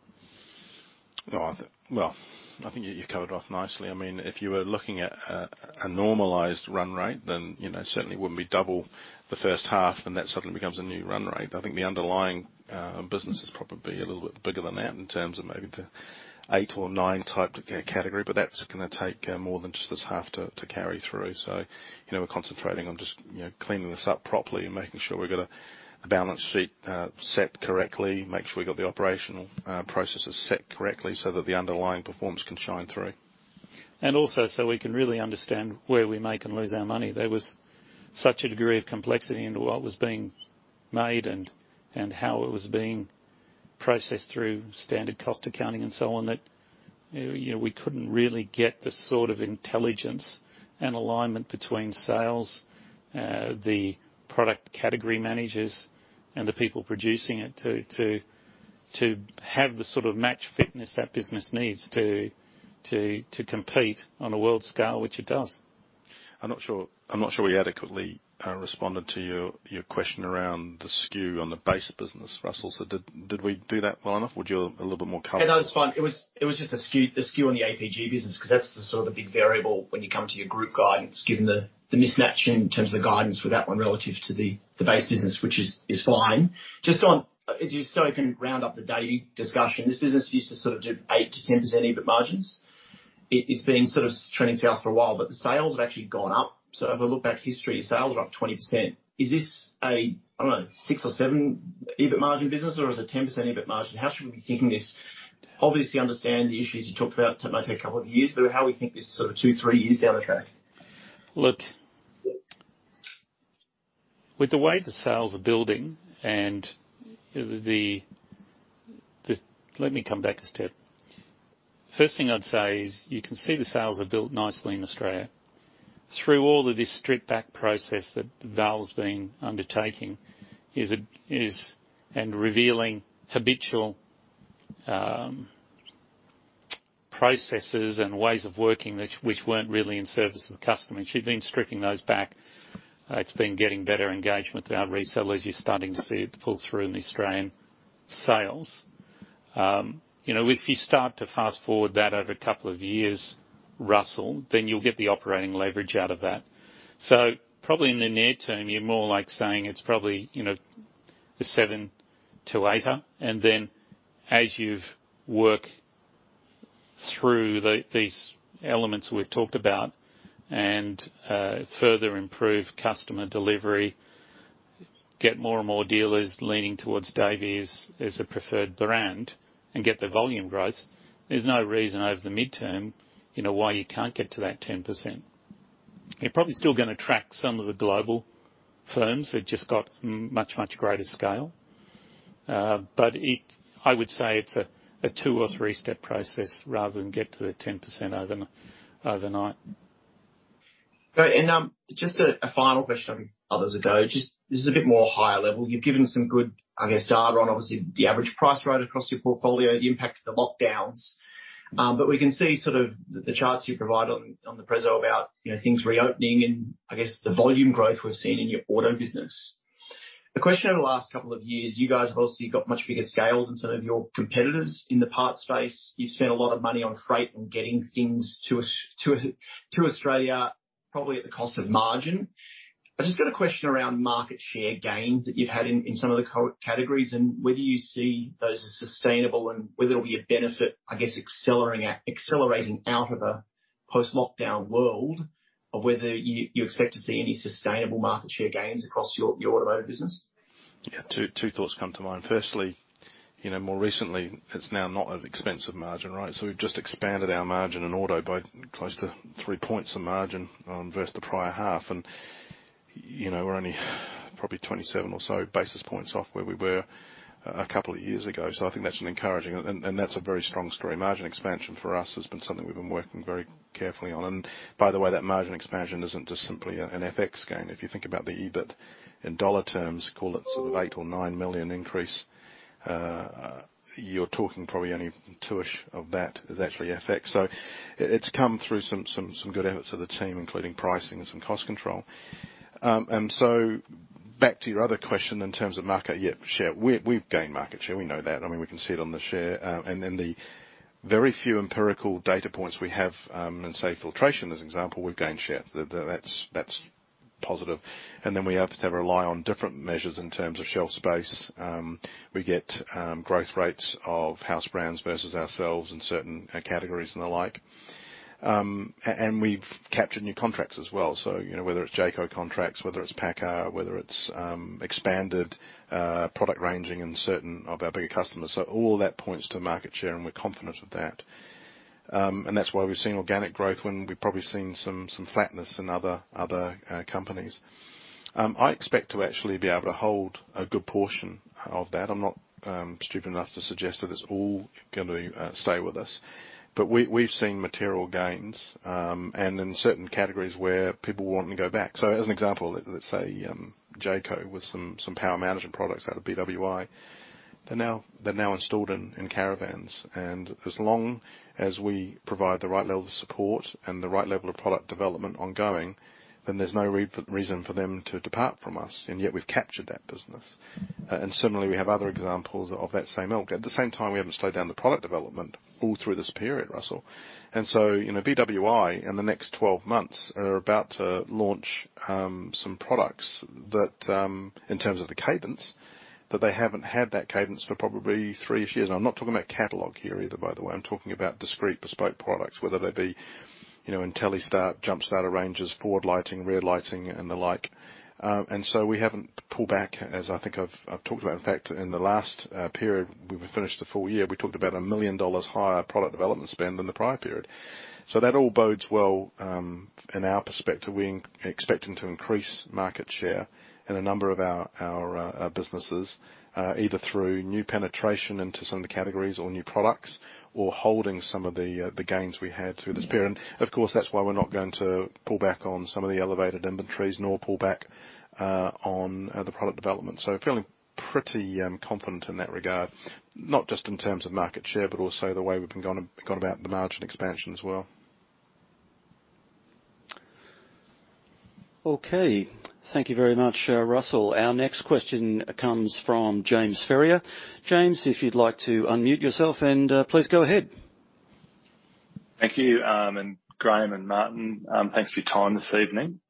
No, I think. Well, I think you covered off nicely. I mean, if you were looking at a normalized run rate, then, you know, certainly it wouldn't be double the first half, and that suddenly becomes a new run rate. I think the underlying business is probably a little bit bigger than that in terms of maybe the eight or nine type of category, but that's gonna take more than just this half to carry through. You know, we're concentrating on just, you know, cleaning this up properly and making sure we've got a balance sheet set correctly, make sure we got the operational processes set correctly, so that the underlying performance can shine through. We can really understand where we make and lose our money. There was such a degree of complexity into what was being made and how it was being processed through standard cost accounting and so on that, you know, we couldn't really get the sort of intelligence and alignment between sales, the product category managers and the people producing it to have the sort of match fitness that business needs to compete on a world scale, which it does. I'm not sure we adequately responded to your question around the SKU on the base business, Russell. Did we do that well enough? Would you like a little bit more color? Yeah, no, it's fine. It was just the SKU on the APG business, 'cause that's the sort of big variable when you come to your group guidance, given the mismatch in terms of the guidance for that one relative to the base business, which is fine. Just so we can round up the Davey discussion, this business used to sort of do 8%-10% EBIT margins. It's been sort of trending south for a while, but the sales have actually gone up. If I look back history, sales are up 20%. Is this a, I don't know, 6% or 7% EBIT margin business, or is it a 10% EBIT margin? How should we be thinking this? Obviously, I understand the issues you talked about. It might take a couple of years, but how we think this sort of 2, 3 years down the track. Look, with the way the sales are building. Just let me come back a step. First thing I'd say is you can see the sales are built nicely in Australia. Through all of this strip-back process that Val's been undertaking and revealing habitual processes and ways of working which weren't really in service to the customer. She's been stripping those back. It's been getting better engagement with our resellers. You're starting to see it pull through in the Australian sales. You know, if you start to fast-forward that over a couple of years, Russell, then you'll get the operating leverage out of that. Probably in the near term, you're more like saying it's probably a 7%-8%-er. As you've worked through these elements we've talked about and further improve customer delivery, get more and more dealers leaning towards Davey as a preferred brand and get the volume growth, there's no reason over the midterm, you know, why you can't get to that 10%. You're probably still gonna track some of the global firms that've just got much, much greater scale. But it I would say it's a two or three-step process rather than get to the 10% overnight. Just a final question on other segments. This is a bit more higher level. You've given some good, I guess, data on obviously the average price rate across your portfolio, the impact of the lockdowns. We can see sort of the charts you provide on the preso about, you know, things reopening and I guess the volume growth we've seen in your auto business. The question over the last couple of years, you guys have obviously got much bigger scale than some of your competitors in the parts space. You've spent a lot of money on freight and getting things to Australia, probably at the cost of margin. I've just got a question around market share gains that you've had in some of the categories and whether you see those as sustainable and whether it'll be a benefit, I guess, accelerating out of a post-lockdown world or whether you expect to see any sustainable market share gains across your automotive business. Two thoughts come to mind. Firstly, you know, more recently, it's now not an expensive margin, right? We've just expanded our margin in auto by close to 3 points of margin versus the prior half. You know, we're only probably 27 or so basis points off where we were a couple of years ago. I think that's encouraging. That's a very strong story. Margin expansion for us has been something we've been working very carefully on. By the way, that margin expansion isn't just simply an FX gain. If you think about the EBIT in dollar terms, call it sort of 8 million or 9 million increase, you're talking probably only two-ish of that is actually FX. It's come through some good efforts of the team, including pricing and some cost control. Back to your other question in terms of market share. We've gained market share, we know that. I mean, we can see it on the shelf. The very few empirical data points we have, in say, filtration as an example, we've gained share. That's positive. We have to rely on different measures in terms of shelf space. We get growth rates of house brands versus ourselves in certain categories and the like. We've captured new contracts as well. You know, whether it's Jayco contracts, whether it's PACCAR, whether it's expanded product ranging in certain of our bigger customers. All that points to market share, and we're confident with that. That's why we've seen organic growth when we've probably seen some flatness in other companies. I expect to actually be able to hold a good portion of that. I'm not stupid enough to suggest that it's all gonna stay with us. We've seen material gains and in certain categories where people want to go back. As an example, let's say Jayco with some power management products out of BWI, they're now installed in caravans. As long as we provide the right level of support and the right level of product development ongoing, then there's no reason for them to depart from us. Yet we've captured that business. Similarly, we have other examples of that same ilk. At the same time, we haven't slowed down the product development all through this period, Russell. You know, BWI, in the next 12 months, are about to launch some products that, in terms of the cadence, that they haven't had that cadence for probably three-ish years. I'm not talking about catalog here either, by the way. I'm talking about discrete bespoke products, whether they be, you know, Intelli-Start, jump starter ranges, forward lighting, rear lighting and the like. We haven't pulled back, as I think I've talked about. In fact, in the last period, we finished the full year, we talked about 1 million dollars higher product development spend than the prior period. That all bodes well, in our perspective. We're expecting to increase market share in a number of our businesses, either through new penetration into some of the categories or new products or holding some of the gains we had through this period. Of course, that's why we're not going to pull back on some of the elevated inventories nor pull back on the product development. Feeling pretty confident in that regard, not just in terms of market share, but also the way we've been going about the margin expansion as well. Okay. Thank you very much, Russell. Our next question comes from James Faria. James, if you'd like to unmute yourself and please go ahead. Thank you, and Graeme and Martin, thanks for your time this evening.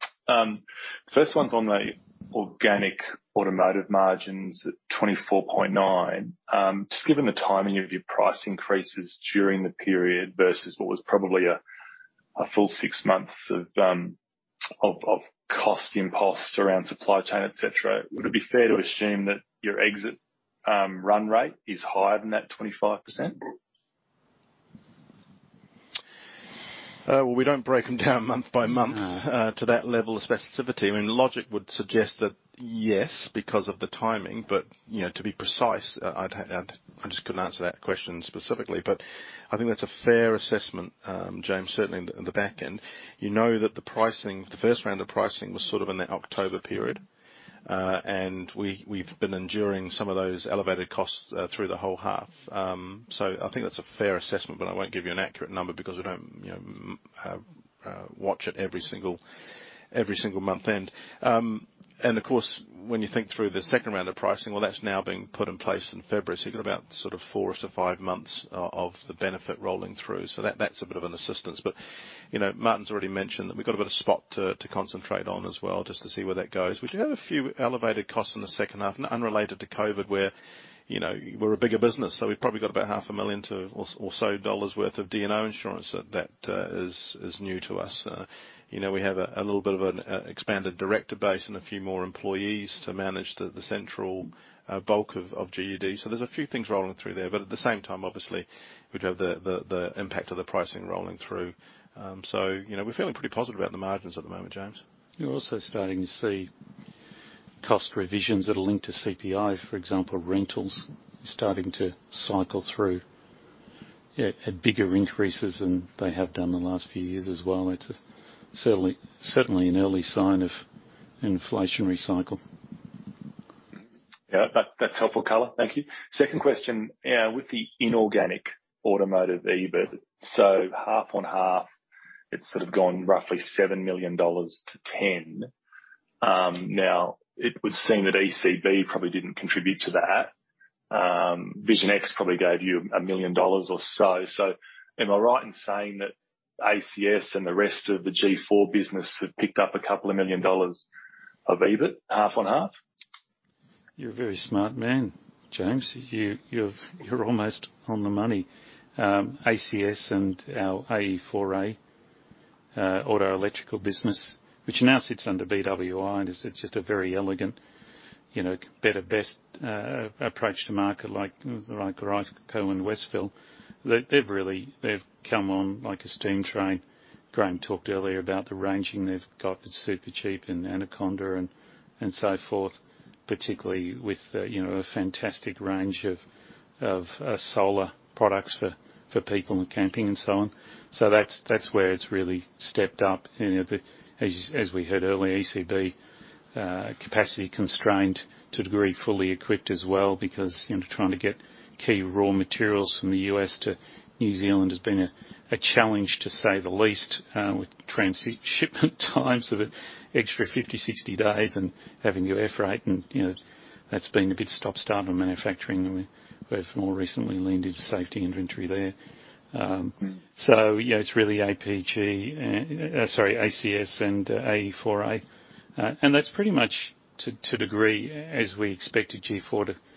First one's on the organic automotive margins at 24.9%. Just given the timing of your price increases during the period versus what was probably a full six months of cost imposed around supply chain, et cetera, would it be fair to assume that your exit run rate is higher than that 25%? Well, we don't break them down month by month to that level of specificity. I mean, logic would suggest that, yes, because of the timing, but you know, to be precise, I just couldn't answer that question specifically. I think that's a fair assessment, James, certainly on the back end. You know that the pricing, the first round of pricing was sort of in that October period, and we've been enduring some of those elevated costs through the whole half. I think that's a fair assessment, but I won't give you an accurate number because we don't, you know, watch it every single month end. Of course, when you think through the second round of pricing, that's now been put in place in February, so you've got about sort of four-five months of the benefit rolling through. That's a bit of an assistance. You know, Martin's already mentioned that we've got a bit of spend to concentrate on as well, just to see where that goes. We do have a few elevated costs in the second half, unrelated to COVID, where you know, we're a bigger business, so we've probably got about AUD half a million or so dollars worth of D&O insurance that is new to us. You know, we have a little bit of an expanded director base and a few more employees to manage the central bulk of GUD. There's a few things rolling through there. At the same time, obviously, we'd have the impact of the pricing rolling through. You know, we're feeling pretty positive about the margins at the moment, James. You're also starting to see cost revisions that are linked to CPI, for example, rentals starting to cycle through at bigger increases than they have done in the last few years as well. It's certainly an early sign of an inflationary cycle. Yeah. That's helpful color. Thank you. Second question. With the inorganic automotive EBIT. Half on half, it's sort of gone roughly 7 million-10 million dollars. Now it would seem that ECB probably didn't contribute to that. Vision X probably gave you 1 million dollars or so. Am I right in saying that ACS and the rest of the G4 business have picked up a couple of million AUD of EBIT half on half? You're a very smart man, James. You're almost on the money. ACS and our AEA auto electrical business, which now sits under BWI, and it's just a very elegant. You know, better, best approach to market like Narva Westfalia. They've really come on like a steam train. Graeme talked earlier about the ranging. They've got the Supercheap and Anaconda and so forth, particularly with you know, a fantastic range of solar products for people in camping and so on. That's where it's really stepped up. You know, the. We heard earlier, ECB capacity constrained to a degree, Fully Equipped as well, because you know, trying to get key raw materials from the U.S. to New Zealand has been a challenge to say the least, with transit shipment times of an extra 50, 60 days and having to air freight. You know, that's been a bit stop-start on manufacturing. We've more recently leaned into safety inventory there. Yeah, it's really APG, sorry, ACS and AEA. That's pretty much to a degree as we expected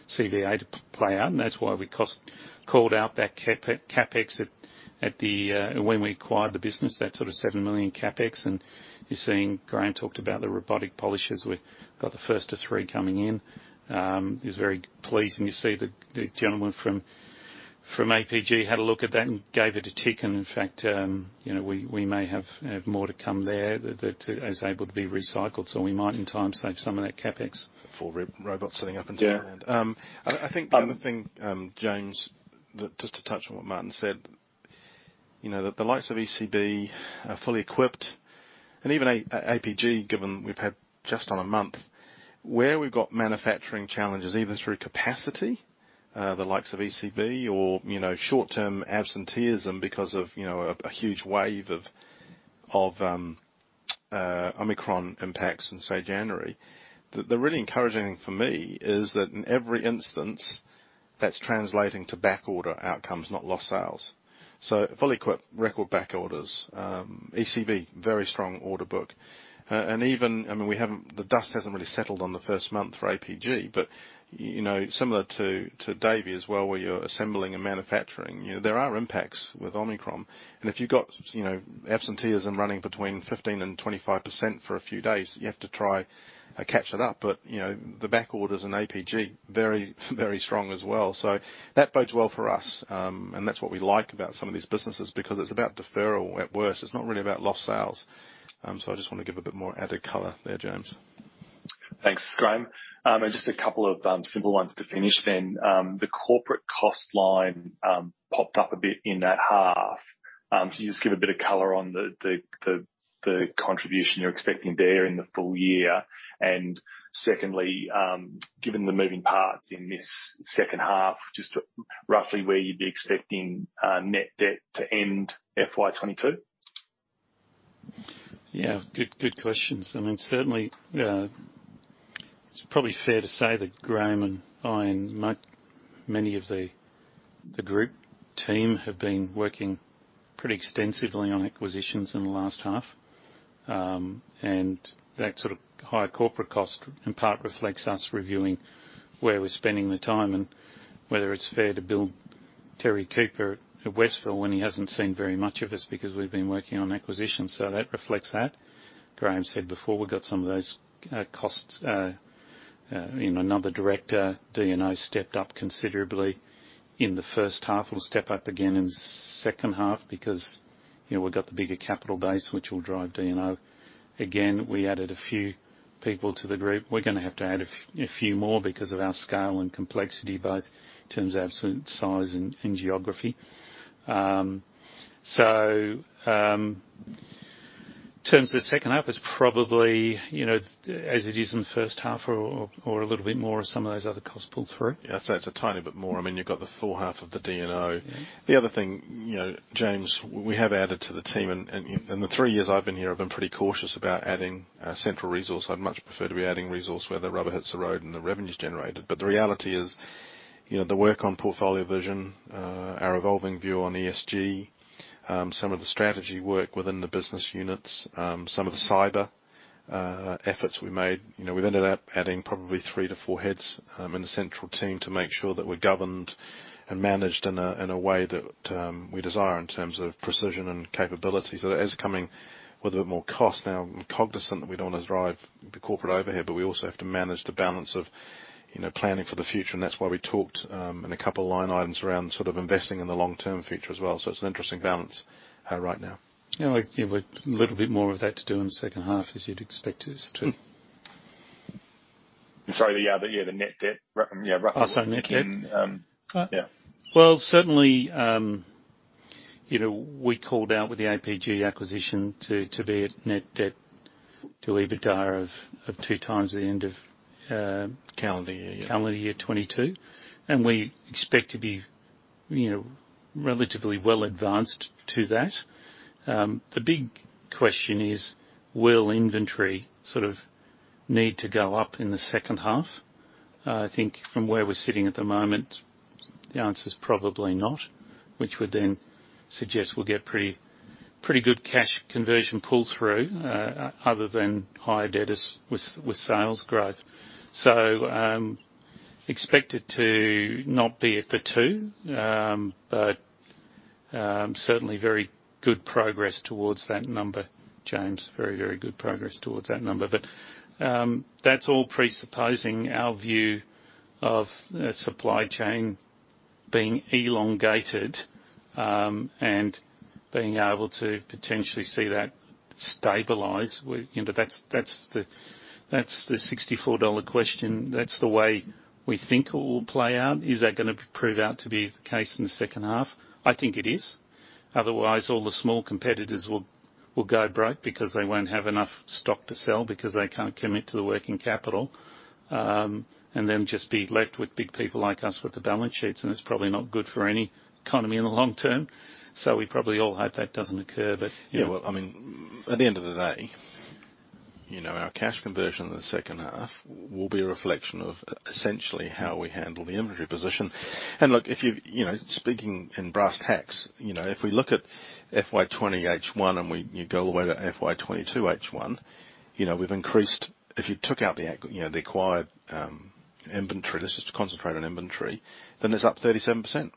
G4CVA to play out, and that's why we called out that CapEx at the when we acquired the business, that sort of 7 million CapEx. You're seeing Graeme talked about the robotic polishers. We've got the first of three coming in. It's very pleasing. You see the gentleman from APG had a look at that and gave it a tick. In fact, you know, we may have more to come there that is able to be recycled, so we might in time save some of that CapEx. Four robots sitting up in New Zealand. Yeah. I think the other thing, James, that just to touch on what Martin said, you know, that the likes of ECB and Fully Equipped and even APG, given we've had just on a month, where we've got manufacturing challenges, either through capacity, the likes of ECB or, you know, short-term absenteeism because of, you know, a huge wave of Omicron impacts in, say, January. The really encouraging for me is that in every instance, that's translating to back order outcomes, not lost sales. So Fully Equipped, record back orders. ECB, very strong order book. And even, I mean, the dust hasn't really settled on the first month for APG. You know, similar to Davey as well, where you're assembling and manufacturing, you know, there are impacts with Omicron. If you've got, you know, absenteeism running between 15%-25% for a few days, you have to try catch it up. You know, the back orders in APG, very, very strong as well. That bodes well for us. That's what we like about some of these businesses, because it's about deferral at worst. It's not really about lost sales. I just wanna give a bit more added color there, James. Thanks, Graeme. Just a couple of simple ones to finish then. The corporate cost line popped up a bit in that half. Can you just give a bit of color on the contribution you're expecting there in the full year? Secondly, given the moving parts in this second half, just roughly where you'd be expecting net debt to end FY 2022. Good questions. I mean, certainly, it's probably fair to say that Graeme and I and many of the group team have been working pretty extensively on acquisitions in the last half. That sort of higher corporate cost in part reflects us reviewing where we're spending the time and whether it's fair to bill Terry Cooper at Westfalia when he hasn't seen very much of us because we've been working on acquisitions. That reflects that. Graeme said before we got some of those costs, you know, and other D&O stepped up considerably in the first half. It will step up again in the second half because, you know, we've got the bigger capital base, which will drive D&O. Again, we added a few people to the group. We're gonna have to add a few more because of our scale and complexity, both in terms of absolute size and geography. In terms of the second half, it's probably, you know, as it is in the first half or a little bit more of some of those other costs pull through. Yeah. I'd say it's a tiny bit more. I mean, you've got the full half of the D&O. Mm-hmm. The other thing, you know, James, we have added to the team, and the three years I've been here, I've been pretty cautious about adding central resource. I'd much prefer to be adding resource where the rubber hits the road and the revenue's generated. But the reality is, you know, the work on portfolio vision, our evolving view on ESG, some of the strategy work within the business units, some of the cyber efforts we made, you know, we've ended up adding probably three-four heads in the central team to make sure that we're governed and managed in a way that we desire in terms of precision and capability. So that is coming with a bit more cost. Now, we're cognizant that we don't wanna drive the corporate overhead, but we also have to manage the balance of, you know, planning for the future. That's why we talked in a couple of line items around sort of investing in the long-term future as well. It's an interesting balance, right now. Yeah. We've a little bit more of that to do in the second half, as you'd expect us to. Sorry. The net debt, roughly. Oh, net debt. Yeah. Well, certainly, you know, we called out with the APG acquisition to be at net debt to EBITDA of 2x at the end of Calendar year, yeah. Calendar year 2022. We expect to be, you know, relatively well advanced to that. The big question is, will inventory sort of need to go up in the second half? I think from where we're sitting at the moment, the answer is probably not, which would then suggest we'll get pretty good cash conversion pull through, other than higher debt as with sales growth. Expect it to not be at the 2. But certainly very good progress towards that number, James. That's all presupposing our view of the supply chain being elongated, and being able to potentially see that stabilize. You know, that's the 64-dollar question. That's the way we think it will play out. Is that gonna prove out to be the case in the second half? I think it is. Otherwise, all the small competitors will go broke because they won't have enough stock to sell because they can't commit to the working capital, and then just be left with big people like us with the balance sheets, and it's probably not good for any economy in the long term. We probably all hope that doesn't occur. Yeah. Yeah, well, I mean, at the end of the day, you know, our cash conversion in the second half will be a reflection of essentially how we handle the inventory position. Look, you know, speaking in brass tacks, you know, if we look at FY 2020 H1 and we go to FY 2022 H1, you know, we've increased. If you took out the acquired inventory, just to concentrate on inventory, then it's up 37%.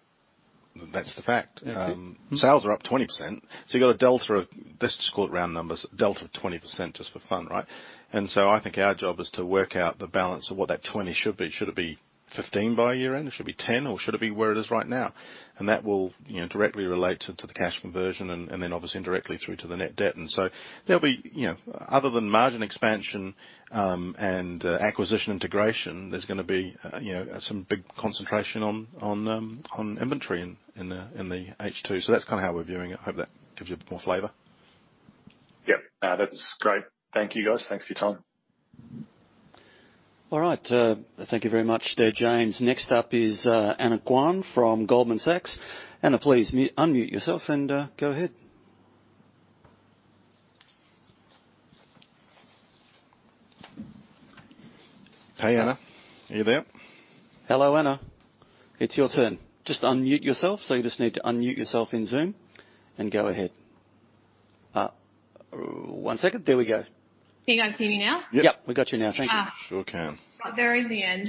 That's the fact. Yeah. Sales are up 20%, so you got a delta of, let's just call it round numbers, delta of 20% just for fun, right? I think our job is to work out the balance of what that 20 should be. Should it be 15 by year-end? It should be 10, or should it be where it is right now? That will, you know, directly relate to the cash conversion and then obviously indirectly through to the net debt. There'll be, you know, other than margin expansion and acquisition integration, some big concentration on inventory in the H2. That's kinda how we're viewing it. I hope that gives you more flavor. Yep. That's great. Thank you, guys. Thanks for your time. All right. Thank you very much there, James. Next up is Anna Wu from Goldman Sachs. Anna, please unmute yourself and go ahead. Hey, Anna. Are you there? Hello, Anna. It's your turn. Just unmute yourself. You just need to unmute yourself in Zoom and go ahead. One second. There we go. Can you guys hear me now? Yep. Yep, we got you now. Thank you. Sure can. Right there in the end.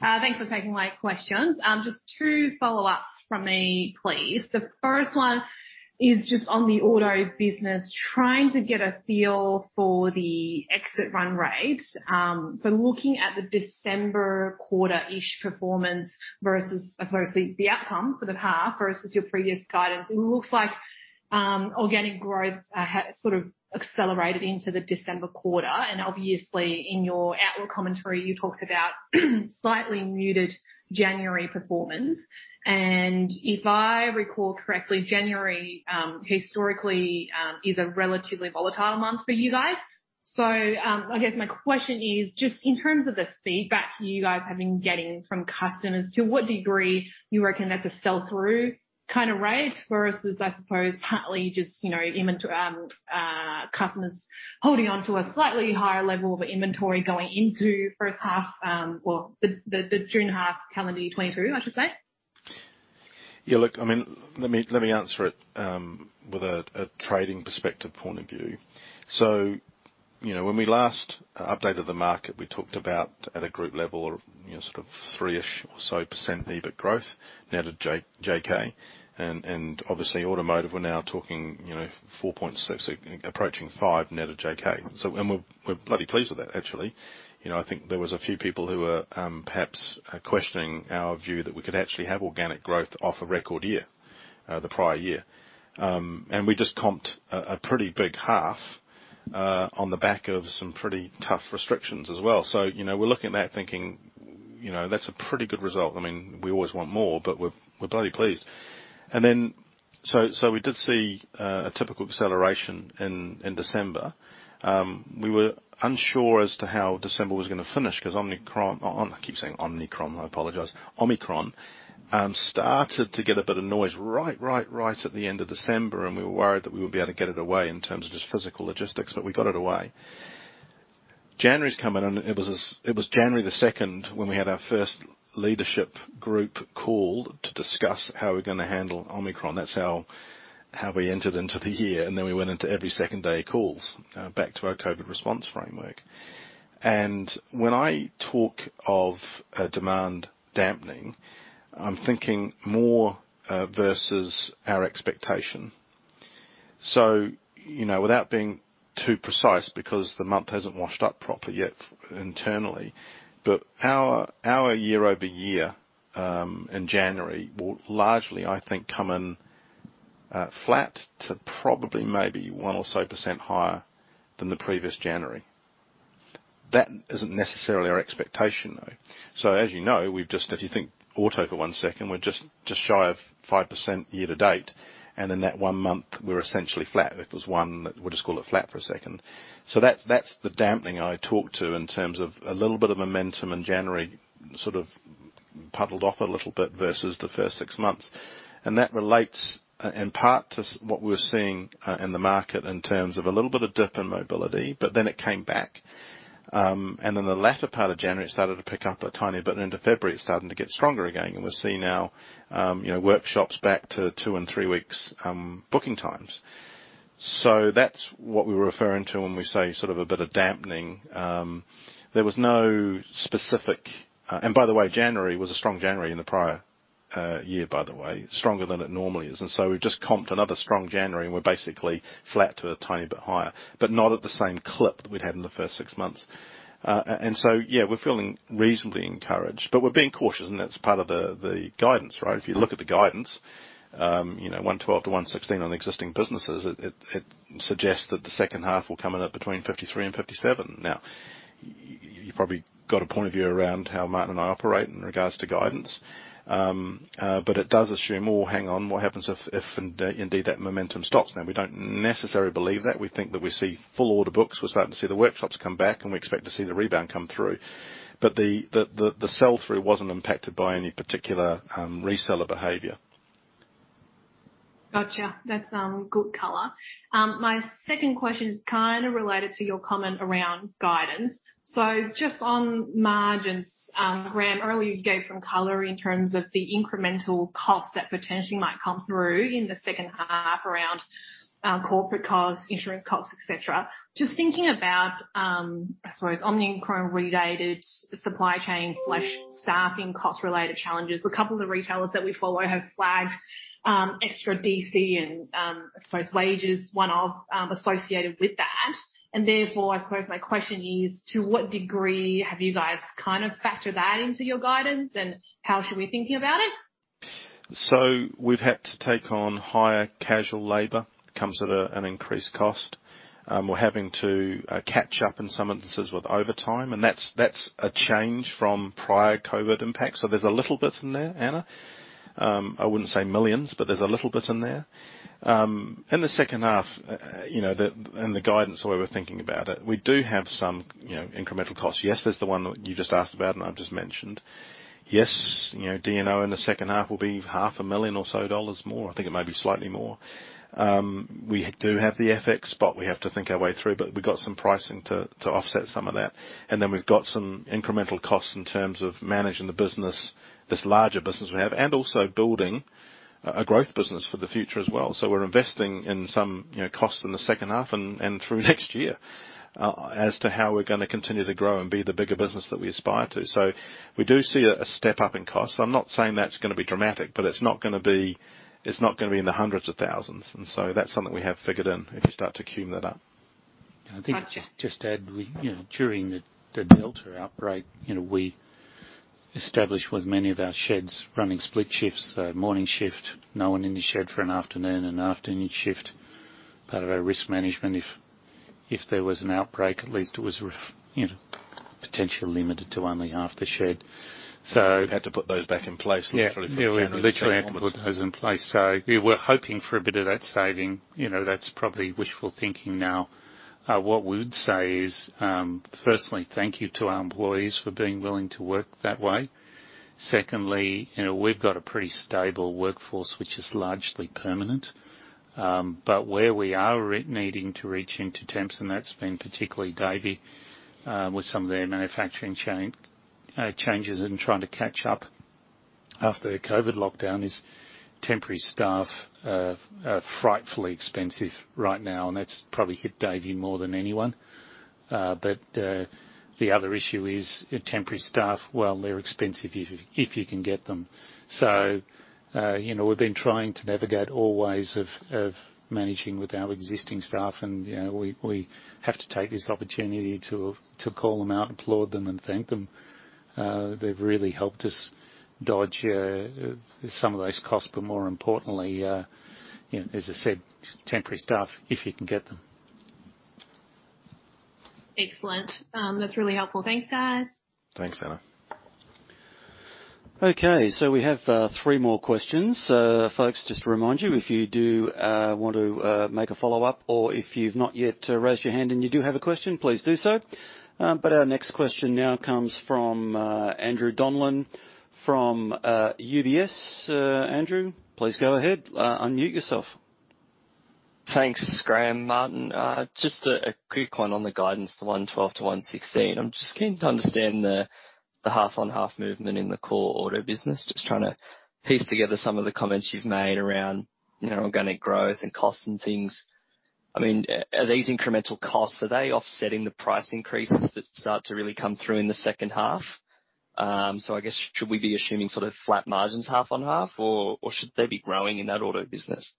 Thanks for taking my questions. Just two follow-ups from me, please. The first one is just on the auto business, trying to get a feel for the exit run rate. So looking at the December quarter-ish performance versus, I suppose, the outcome for the half versus your previous guidance. It looks like organic growth has sort of accelerated into the December quarter. Obviously in your outlook commentary, you talked about slightly muted January performance. If I recall correctly, January historically is a relatively volatile month for you guys. I guess my question is: Just in terms of the feedback you guys have been getting from customers, to what degree you reckon that's a sell-through kinda rate versus, I suppose, partly just, you know, inventory, customers holding on to a slightly higher level of inventory going into first half, or the June half calendar year 2022, I should say. Yeah, look, I mean, let me answer it with a trading perspective point of view. You know, when we last updated the market, we talked about at a group level, you know, sort of 3%-ish or so percent EBIT growth net of JK. Obviously automotive, we're now talking, you know, 4.6%, approaching 5% net of JK. We're bloody pleased with that, actually. You know, I think there was a few people who were perhaps questioning our view that we could actually have organic growth off a record year the prior year. We just comped a pretty big half on the back of some pretty tough restrictions as well. You know, we're looking at that thinking, you know, that's a pretty good result. I mean, we always want more, but we're bloody pleased. We did see a typical acceleration in December. We were unsure as to how December was gonna finish 'cause Omicron started to get a bit of noise right at the end of December, and we were worried that we wouldn't be able to get it away in terms of just physical logistics, but we got it away. January's come in, and it was January the second when we had our first leadership group call to discuss how we're gonna handle Omicron. That's how we entered into the year, and then we went into every second day calls back to our COVID response framework. When I talk of a demand dampening, I'm thinking more versus our expectation. You know, without being too precise, because the month hasn't washed up properly yet internally, but our year-over-year in January will largely, I think, come in flat to probably maybe 1% or so higher than the previous January. That isn't necessarily our expectation, though. As you know, we've just, if you think auto for one second, we're just shy of 5% year-to-date, and in that one month, we're essentially flat. It was one, we'll just call it flat for a second. That's the dampening I talked to in terms of a little bit of momentum in January, sort of petered off a little bit versus the first six months. That relates in part to what we're seeing in the market in terms of a little bit of dip in mobility, but then it came back. The latter part of January, it started to pick up a tiny bit. Into February, it's starting to get stronger again, and we're seeing now, you know, workshops back to two and three weeks, booking times. That's what we were referring to when we say sort of a bit of dampening. There was no specific. By the way, January was a strong January in the prior year, by the way, stronger than it normally is. We've just comped another strong January, and we're basically flat to a tiny bit higher, but not at the same clip that we'd had in the first six months. Yeah, we're feeling reasonably encouraged, but we're being cautious, and that's part of the guidance, right? If you look at the guidance, you know, 112 million-116 million on existing businesses, it suggests that the second half will come in at between 53 million and 57 million. Now, you probably got a point of view around how Martin and I operate in regards to guidance. But it does assume what happens if indeed that momentum stops. Now, we don't necessarily believe that. We think that we see full order books. We're starting to see the workshops come back, and we expect to see the rebound come through. But the sell-through wasn't impacted by any particular reseller behavior. Gotcha. That's good color. My second question is kind of related to your comment around guidance. Just on margins, Graeme, earlier, you gave some color in terms of the incremental costs that potentially might come through in the second half around corporate costs, insurance costs, et cetera. Just thinking about, I suppose, Omicron-related supply chain/staffing cost-related challenges. A couple of the retailers that we follow have flagged extra DC and, I suppose wages, one-off associated with that. Therefore, I suppose my question is, to what degree have you guys kind of factored that into your guidance? How should we be thinking about it? We've had to take on higher casual labor, comes at an increased cost. We're having to catch up in some instances with overtime, and that's a change from prior COVID impacts. There's a little bit in there, Anna. I wouldn't say millions, but there's a little bit in there. In the second half, you know, in the guidance, the way we're thinking about it, we do have some, you know, incremental costs. Yes, there's the one you just asked about and I've just mentioned. Yes, you know, D&O in the second half will be AUD half a million or so dollars more. I think it may be slightly more. We do have the FX spot we have to think our way through, but we've got some pricing to offset some of that. We've got some incremental costs in terms of managing the business, this larger business we have, and also building a growth business for the future as well. We're investing in some, you know, costs in the second half and through next year as to how we're gonna continue to grow and be the bigger business that we aspire to. We do see a step up in costs. I'm not saying that's gonna be dramatic, but it's not gonna be in the hundreds of thousands. That's something we have figured in if you start to sum that up. Gotcha. I think just to add, you know, during the Delta outbreak, you know, we established with many of our sheds running split shifts, so morning shift, no one in the shed for an afternoon, and afternoon shift. Part of our risk management, if there was an outbreak, at least it was, you know, potentially limited to only half the shed. We've had to put those back in place literally. Yeah. We literally had to put those in place. We were hoping for a bit of that saving. You know, that's probably wishful thinking now. What we would say is, firstly, thank you to our employees for being willing to work that way. Secondly, you know, we've got a pretty stable workforce, which is largely permanent. Where we are needing to reach into temps, and that's been particularly Davey, with some of their manufacturing chain changes and trying to catch up after the COVID lockdown. Temporary staff are frightfully expensive right now, and that's probably hit Davey more than anyone. The other issue is temporary staff. Well, they're expensive if you can get them. You know, we've been trying to navigate all ways of managing with our existing staff. You know, we have to take this opportunity to call them out and applaud them and thank them. They've really helped us dodge some of those costs, but more importantly, you know, as I said, temporary staff, if you can get them. Excellent. That's really helpful. Thanks, guys. Thanks, Anna. Okay, we have three more questions. Folks, just to remind you, if you do want to make a follow-up or if you've not yet raised your hand and you do have a question, please do so. Our next question now comes from Andrew Donlan from UBS. Andrew, please go ahead. Unmute yourself. Thanks, Graeme, Martin. Just a quick one on the guidance, the 112 million-116 million. I'm just keen to understand the half-on-half movement in the core auto business. Just trying to piece together some of the comments you've made around, you know, organic growth and costs and things. I mean, are these incremental costs, are they offsetting the price increases that start to really come through in the second half? I guess should we be assuming sort of flat margins half on half, or should they be growing in that auto business?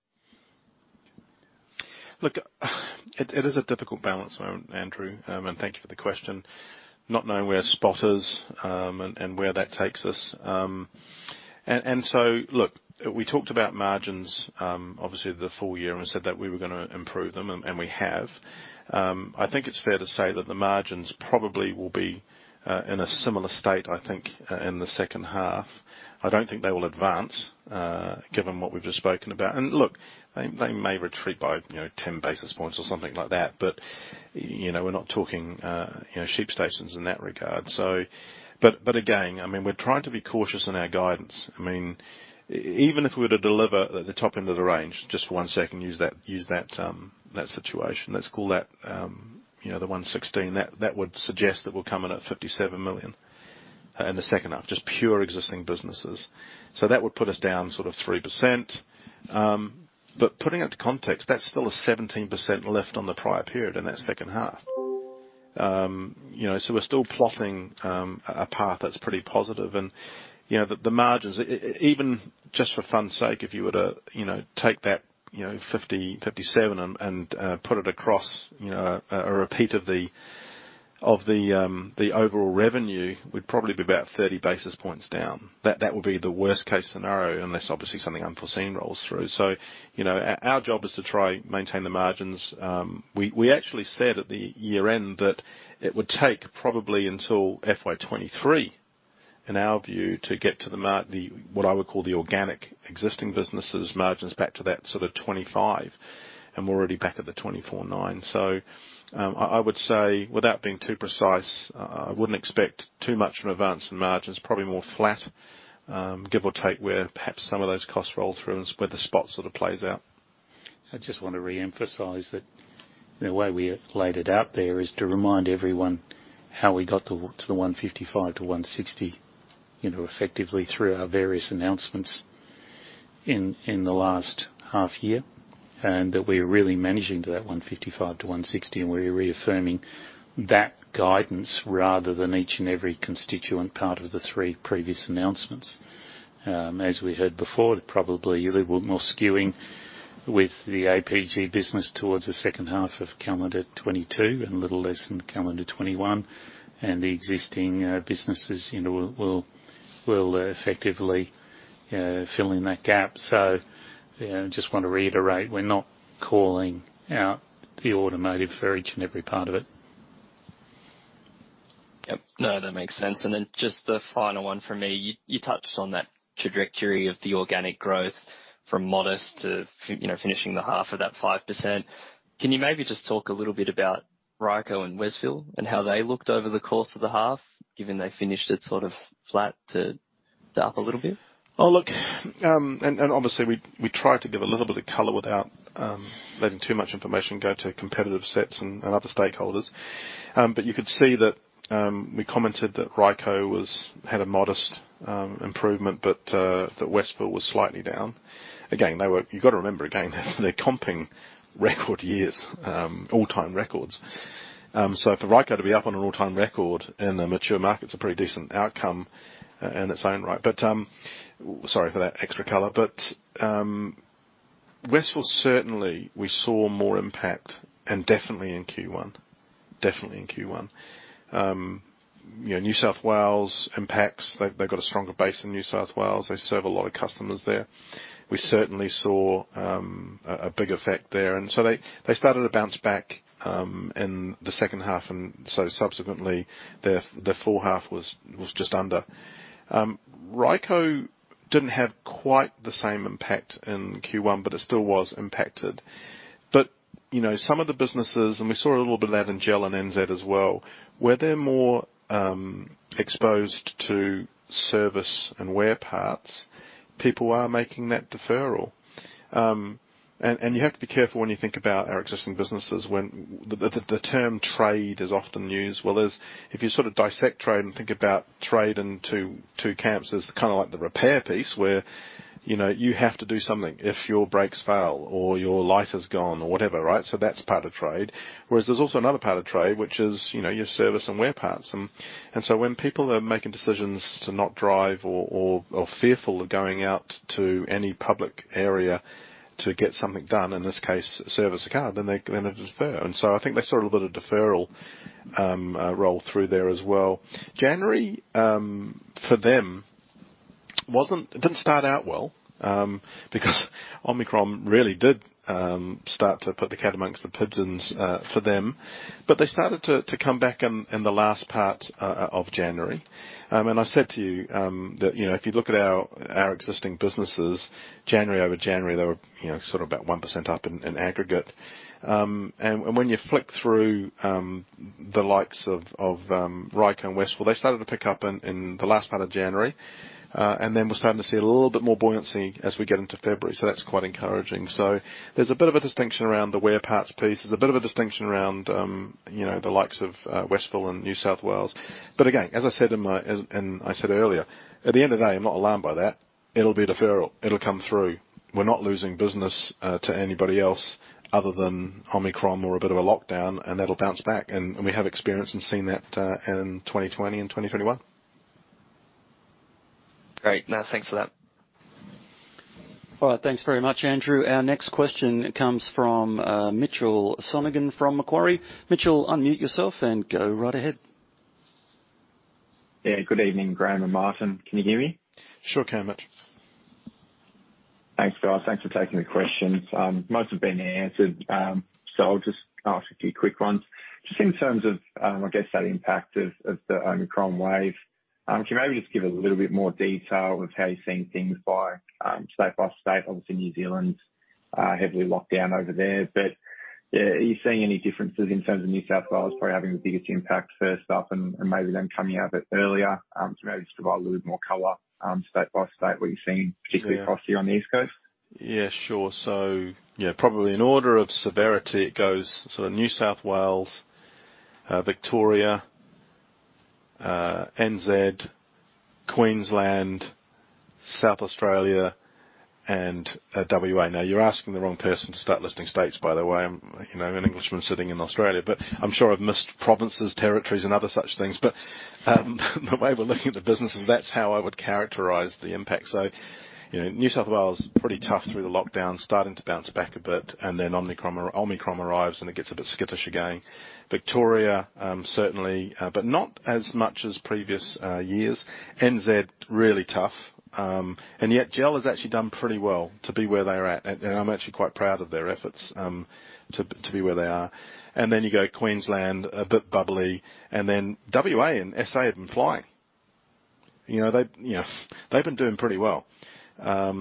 Look, it is a difficult balance, Andrew, and thank you for the question. Not knowing where spot is, and where that takes us. Look, we talked about margins, obviously the full year and said that we were gonna improve them, and we have. I think it's fair to say that the margins probably will be in a similar state, I think, in the second half. I don't think they will advance, given what we've just spoken about. Look, they may retreat by, you know, 10 basis points or something like that. You know, we're not talking, you know, sheep stations in that regard. Again, I mean, we're trying to be cautious in our guidance. I mean, even if we were to deliver at the top end of the range, just for one second, use that situation, let's call that, you know, the 116. That would suggest that we're coming at 57 million in the second half, just pure existing businesses. That would put us down sort of 3%. But putting into context, that's still a 17% lift on the prior period in that second half. You know, so we're still plotting a path that's pretty positive and, you know, the margins, even just for fun sake, if you were to, you know, take that 57 million and put it across, you know, a repeat of the overall revenue, we'd probably be about 30 basis points down. That would be the worst case scenario, unless obviously something unforeseen rolls through. You know, our job is to try maintain the margins. We actually said at the year-end that it would take probably until FY 2023, in our view, to get to the what I would call the organic existing businesses margins back to that sort of 25%, and we're already back at the 24.9%. I would say, without being too precise, I wouldn't expect too much of advance in margins, probably more flat, give or take, where perhaps some of those costs roll through and where the spot sort of plays out. I just wanna reemphasize that the way we laid it out there is to remind everyone how we got to the 155 million-160 million, you know, effectively through our various announcements in the last half year, and that we're really managing to that 155 million-160 million, and we're reaffirming that guidance rather than each and every constituent part of the three previous announcements. As we heard before, probably a little more skewing with the APG business towards the second half of calendar 2022 and a little less in calendar 2021, and the existing businesses, you know, will effectively fill in that gap. I just want to reiterate, we're not calling out the automotive for each and every part of it. Yep. No, that makes sense. Then just the final one from me. You touched on that trajectory of the organic growth from modest to you know, finishing the half of that 5%. Can you maybe just talk a little bit about Ryco and Westfalia and how they looked over the course of the half, given they finished it sort of flat to up a little bit? Oh, look, obviously we try to give a little bit of color without letting too much information go to competitive sets and other stakeholders. You could see that we commented that Ryco had a modest improvement, but that Westfalia was slightly down. Again, you gotta remember, again, they're comping record years, all-time records. For Ryco to be up on an all-time record in a mature market is a pretty decent outcome in its own right. Sorry for that extra color. Westfalia, certainly, we saw more impact and definitely in Q1. You know, New South Wales impacts, they've got a stronger base in New South Wales. They serve a lot of customers there. We certainly saw a big effect there. They started to bounce back in the second half, and so subsequently, the full year was just under. Ryco didn't have quite the same impact in Q1, but it still was impacted. You know, some of the businesses, and we saw a little bit of that in GUD and NZ as well, where they're more exposed to service and wear parts. People are making that deferral. You have to be careful when you think about our existing businesses when the term trade is often used. Well, there's. If you sort of dissect trade and think about trade in two camps, there's kinda like the repair piece where, you know, you have to do something if your brakes fail or your light is gone or whatever, right? That's part of trade. Whereas there's also another part of trade, which is, you know, your service and wear parts. When people are making decisions to not drive or fearful of going out to any public area to get something done, in this case, service a car, then they defer. I think they saw a little bit of deferral roll through there as well. January for them didn't start out well because Omicron really did start to put the cat amongst the pigeons for them. They started to come back in the last part of January. I said to you that, you know, if you look at our existing businesses, January over January, they were, you know, sort of about 1% up in aggregate. When you flick through the likes of Ryco and Westfalia, they started to pick up in the last part of January. Then we're starting to see a little bit more buoyancy as we get into February. That's quite encouraging. There's a bit of a distinction around the wear parts piece. There's a bit of a distinction around you know the likes of Westfalia and New South Wales. Again, as I said earlier, at the end of the day, I'm not alarmed by that. It'll be deferral. It'll come through. We're not losing business to anybody else other than Omicron or a bit of a lockdown, and that'll bounce back, and we have experience in seeing that in 2020 and 2021. Great. No, thanks for that. All right. Thanks very much, Andrew. Our next question comes from Mitchell Sonogan from Macquarie. Mitchell, unmute yourself and go right ahead. Yeah. Good evening, Graeme and Martin. Can you hear me? Sure can, Mitch. Thanks, guys. Thanks for taking the questions. Most have been answered, so I'll just ask a few quick ones. Just in terms of, I guess that impact of the Omicron wave, can you maybe just give a little bit more detail of how you're seeing things by state by state? Obviously, New Zealand heavily locked down over there. Yeah, are you seeing any differences in terms of New South Wales probably having the biggest impact first up and maybe them coming out a bit earlier? Maybe just provide a little bit more color state by state, what you're seeing, particularly across here on the East Coast. Yeah, sure. Yeah, probably in order of severity, it goes sort of New South Wales, Victoria, NZ, Queensland, South Australia, and WA. Now, you're asking the wrong person to start listing states, by the way. I'm, you know, an Englishman sitting in Australia, but I'm sure I've missed provinces, territories, and other such things. The way we're looking at the business is that's how I would characterize the impact. You know, New South Wales, pretty tough through the lockdown, starting to bounce back a bit. Then Omicron arrives, and it gets a bit skittish again. Victoria, certainly, but not as much as previous years. NZ, really tough. Yet GL has actually done pretty well to be where they're at. I'm actually quite proud of their efforts to be where they are. Then you go Queensland, a bit bubbly. WA and SA have been flying. You know, they, you know, they've been doing pretty well.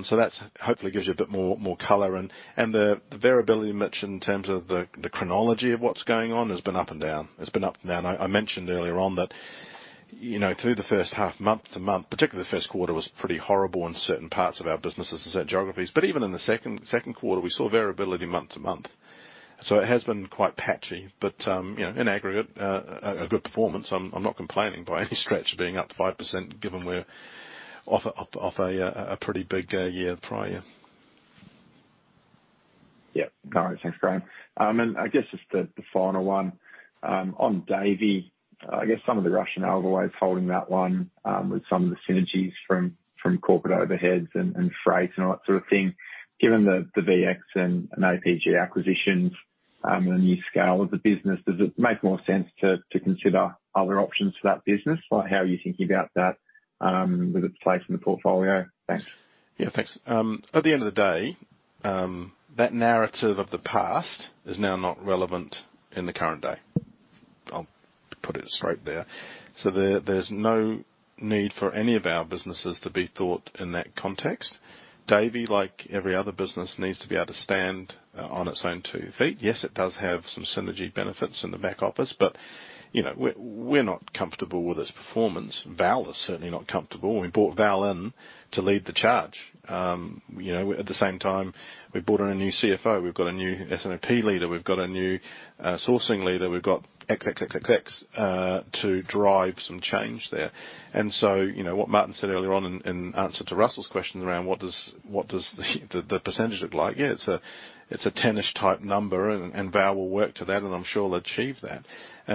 So that's hopefully gives you a bit more color and the variability you mentioned in terms of the chronology of what's going on has been up and down. It's been up and down. I mentioned earlier on that, you know, through the first half month to month, particularly the first quarter was pretty horrible in certain parts of our businesses and certain geographies. Even in the second quarter, we saw variability month to month. It has been quite patchy. You know, in aggregate, a good performance. I'm not complaining by any stretch being up 5% given we're off a pretty big year the prior year. Yeah. All right. Thanks, Graeme. I guess just the final one. On Davey, I guess some of the rationale of always holding that one, with some of the synergies from corporate overheads and freight and all that sort of thing. Given the VX and APG acquisitions, and the new scale of the business, does it make more sense to consider other options for that business? Like, how are you thinking about that, with its place in the portfolio? Thanks. Yeah, thanks. At the end of the day, that narrative of the past is now not relevant in the current day. I'll put it straight there. There, there's no need for any of our businesses to be thought in that context. Davey, like every other business, needs to be able to stand on its own two feet. Yes, it does have some synergy benefits in the back office, but, you know, we're not comfortable with its performance. Val is certainly not comfortable, and we brought Val in to lead the charge. You know, at the same time, we brought in a new CFO, we've got a new S&OP leader, we've got a new sourcing leader, we've got Mitch to drive some change there. You know, what Martin said earlier in answer to Russell's question around what does the percentage look like? Yeah, it's a 10%-ish type number and Val will work to that and I'm sure he'll achieve that.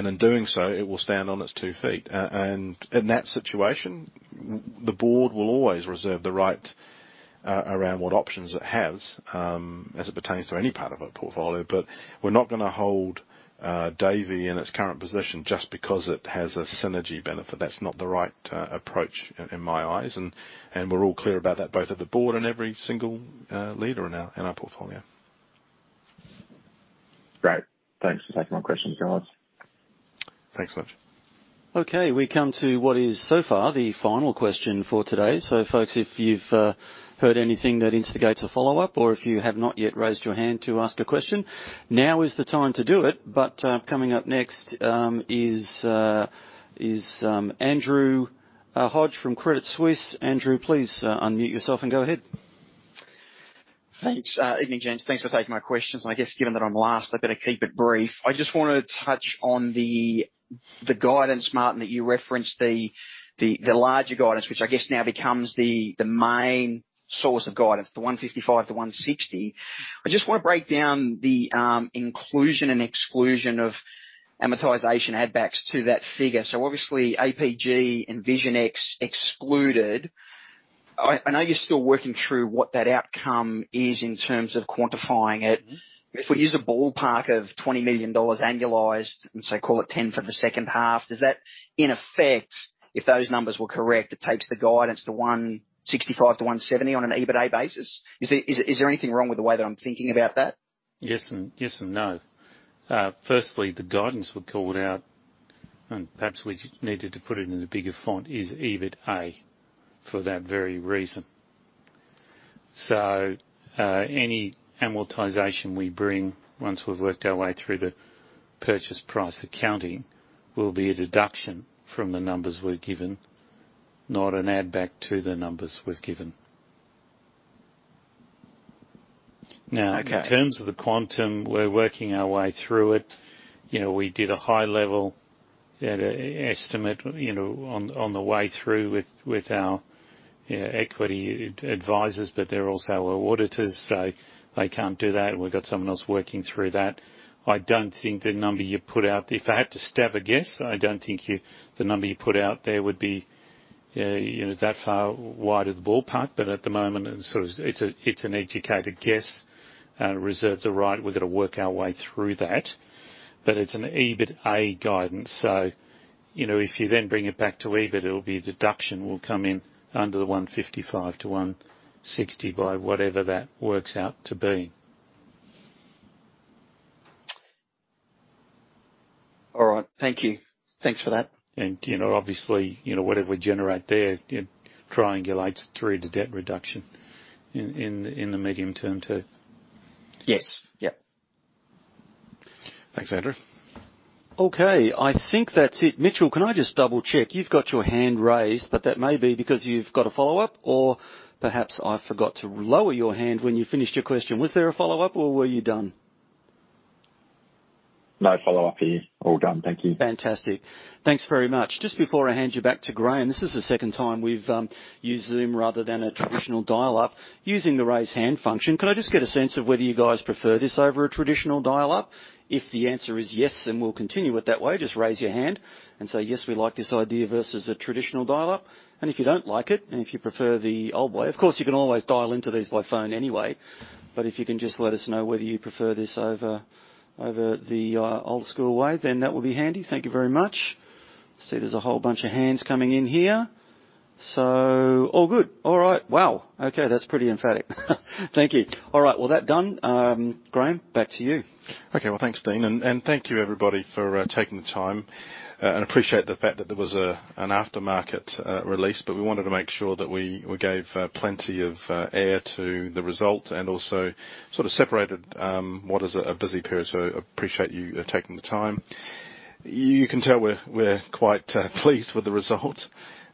In doing so, it will stand on its two feet. In that situation, the board will always reserve the right around what options it has as it pertains to any part of our portfolio. But we're not gonna hold Davey in its current position just because it has a synergy benefit. That's not the right approach in my eyes, and we're all clear about that, both at the board and every single leader in our portfolio. Great. Thanks for taking my questions, guys. Thanks much. Okay. We come to what is so far the final question for today. Folks, if you've heard anything that instigates a follow-up or if you have not yet raised your hand to ask a question, now is the time to do it. Coming up next is Andrew Hodge from Credit Suisse. Andrew, please unmute yourself and go ahead. Thanks. Evening, gents. Thanks for taking my questions. I guess given that I'm last, I better keep it brief. I just wanna touch on the guidance, Martin, that you referenced, the larger guidance, which I guess now becomes the main source of guidance, the 155 million-160 million. I just wanna break down the inclusion and exclusion of amortization add backs to that figure. Obviously, APG and Vision X excluded. I know you're still working through what that outcome is in terms of quantifying it. Mm-hmm. If we use a ballpark of 20 million dollars annualized, and so call it 10 million for the second half, does that in effect, if those numbers were correct, it takes the guidance to 165 million-170 million on an EBITA basis? Is there anything wrong with the way that I'm thinking about that? Yes and no. Firstly, the guidance we called out, and perhaps we just needed to put it in a bigger font, is EBITA for that very reason. Any amortization we bring once we've worked our way through the purchase price accounting will be a deduction from the numbers we're given, not an add back to the numbers we're given. Now Okay. In terms of the quantum, we're working our way through it. We did a high-level estimate on the way through with our equity advisors, but they're also our auditors, so they can't do that. We've got someone else working through that. I don't think the number you put out. If I had to take a stab, I don't think the number you put out there would be that far wide of the ballpark. At the moment, it's an educated guess. We reserve the right, we've gotta work our way through that. It's an EBITA guidance. If you then bring it back to EBIT, it'll be a deduction that will come in under the 155-160 by whatever that works out to be. All right. Thank you. Thanks for that. You know, obviously, you know, whatever we generate there triangulates through to debt reduction in the medium term too. Yes. Yep. Thanks, Andrew. Okay, I think that's it. Mitchell, can I just double-check? You've got your hand raised, but that may be because you've got a follow-up or perhaps I forgot to lower your hand when you finished your question. Was there a follow-up or were you done? No follow-up here. All done. Thank you. Fantastic. Thanks very much. Just before I hand you back to Graeme, this is the second time we've used Zoom rather than a traditional dial-up using the Raise Hand function. Can I just get a sense of whether you guys prefer this over a traditional dial-up? If the answer is yes, then we'll continue with that way. Just raise your hand and say, "Yes, we like this idea," versus a traditional dial-up. If you don't like it, and if you prefer the old way, of course, you can always dial into these by phone anyway. If you can just let us know whether you prefer this over the old-school way, then that will be handy. Thank you very much. I see there's a whole bunch of hands coming in here, so all good. All right. Wow. Okay. That's pretty emphatic. Thank you. All right. Well, that done, Graeme, back to you. Okay. Well, thanks, Dean, and thank you, everybody, for taking the time, and appreciate the fact that there was an aftermarket release, but we wanted to make sure that we gave plenty of air to the result and also sort of separated what is a busy period, so appreciate you taking the time. You can tell we're quite pleased with the result,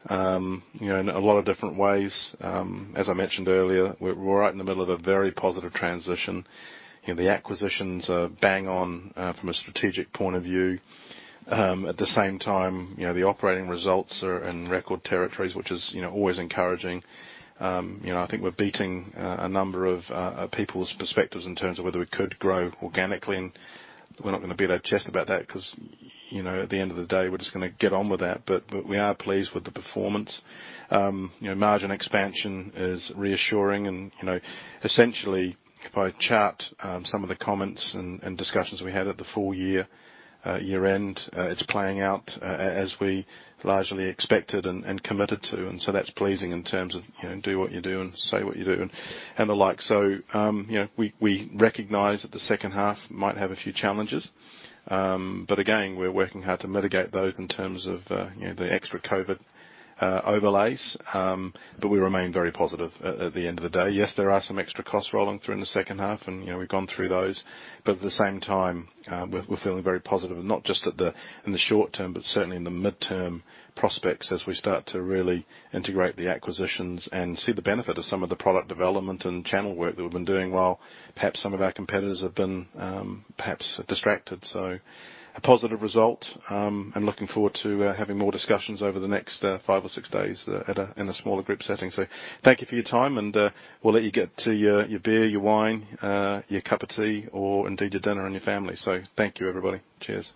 you know, in a lot of different ways. As I mentioned earlier, we're right in the middle of a very positive transition. You know, the acquisitions are bang on from a strategic point of view. At the same time, you know, the operating results are in record territories, which is, you know, always encouraging. You know, I think we're beating a number of people's perspectives in terms of whether we could grow organically, and we're not gonna be that chuffed about that 'cause, you know, at the end of the day, we're just gonna get on with that. We are pleased with the performance. You know, margin expansion is reassuring and, you know, essentially if I chart some of the comments and discussions we had at the full year year-end, it's playing out as we largely expected and committed to and so that's pleasing in terms of, you know, do what you say and say what you do and the like. You know, we recognize that the second half might have a few challenges. Again, we're working hard to mitigate those in terms of, you know, the extra COVID overlays, but we remain very positive at the end of the day. Yes, there are some extra costs rolling through in the second half and, you know, we've gone through those, but at the same time, we're feeling very positive, not just in the short term, but certainly in the midterm prospects as we start to really integrate the acquisitions and see the benefit of some of the product development and channel work that we've been doing while perhaps some of our competitors have been, perhaps distracted. A positive result, and looking forward to having more discussions over the next five or six days in a smaller group setting. Thank you for your time and we'll let you get to your beer, your wine, your cup of tea, or indeed your dinner and your family. Thank you, everybody. Cheers.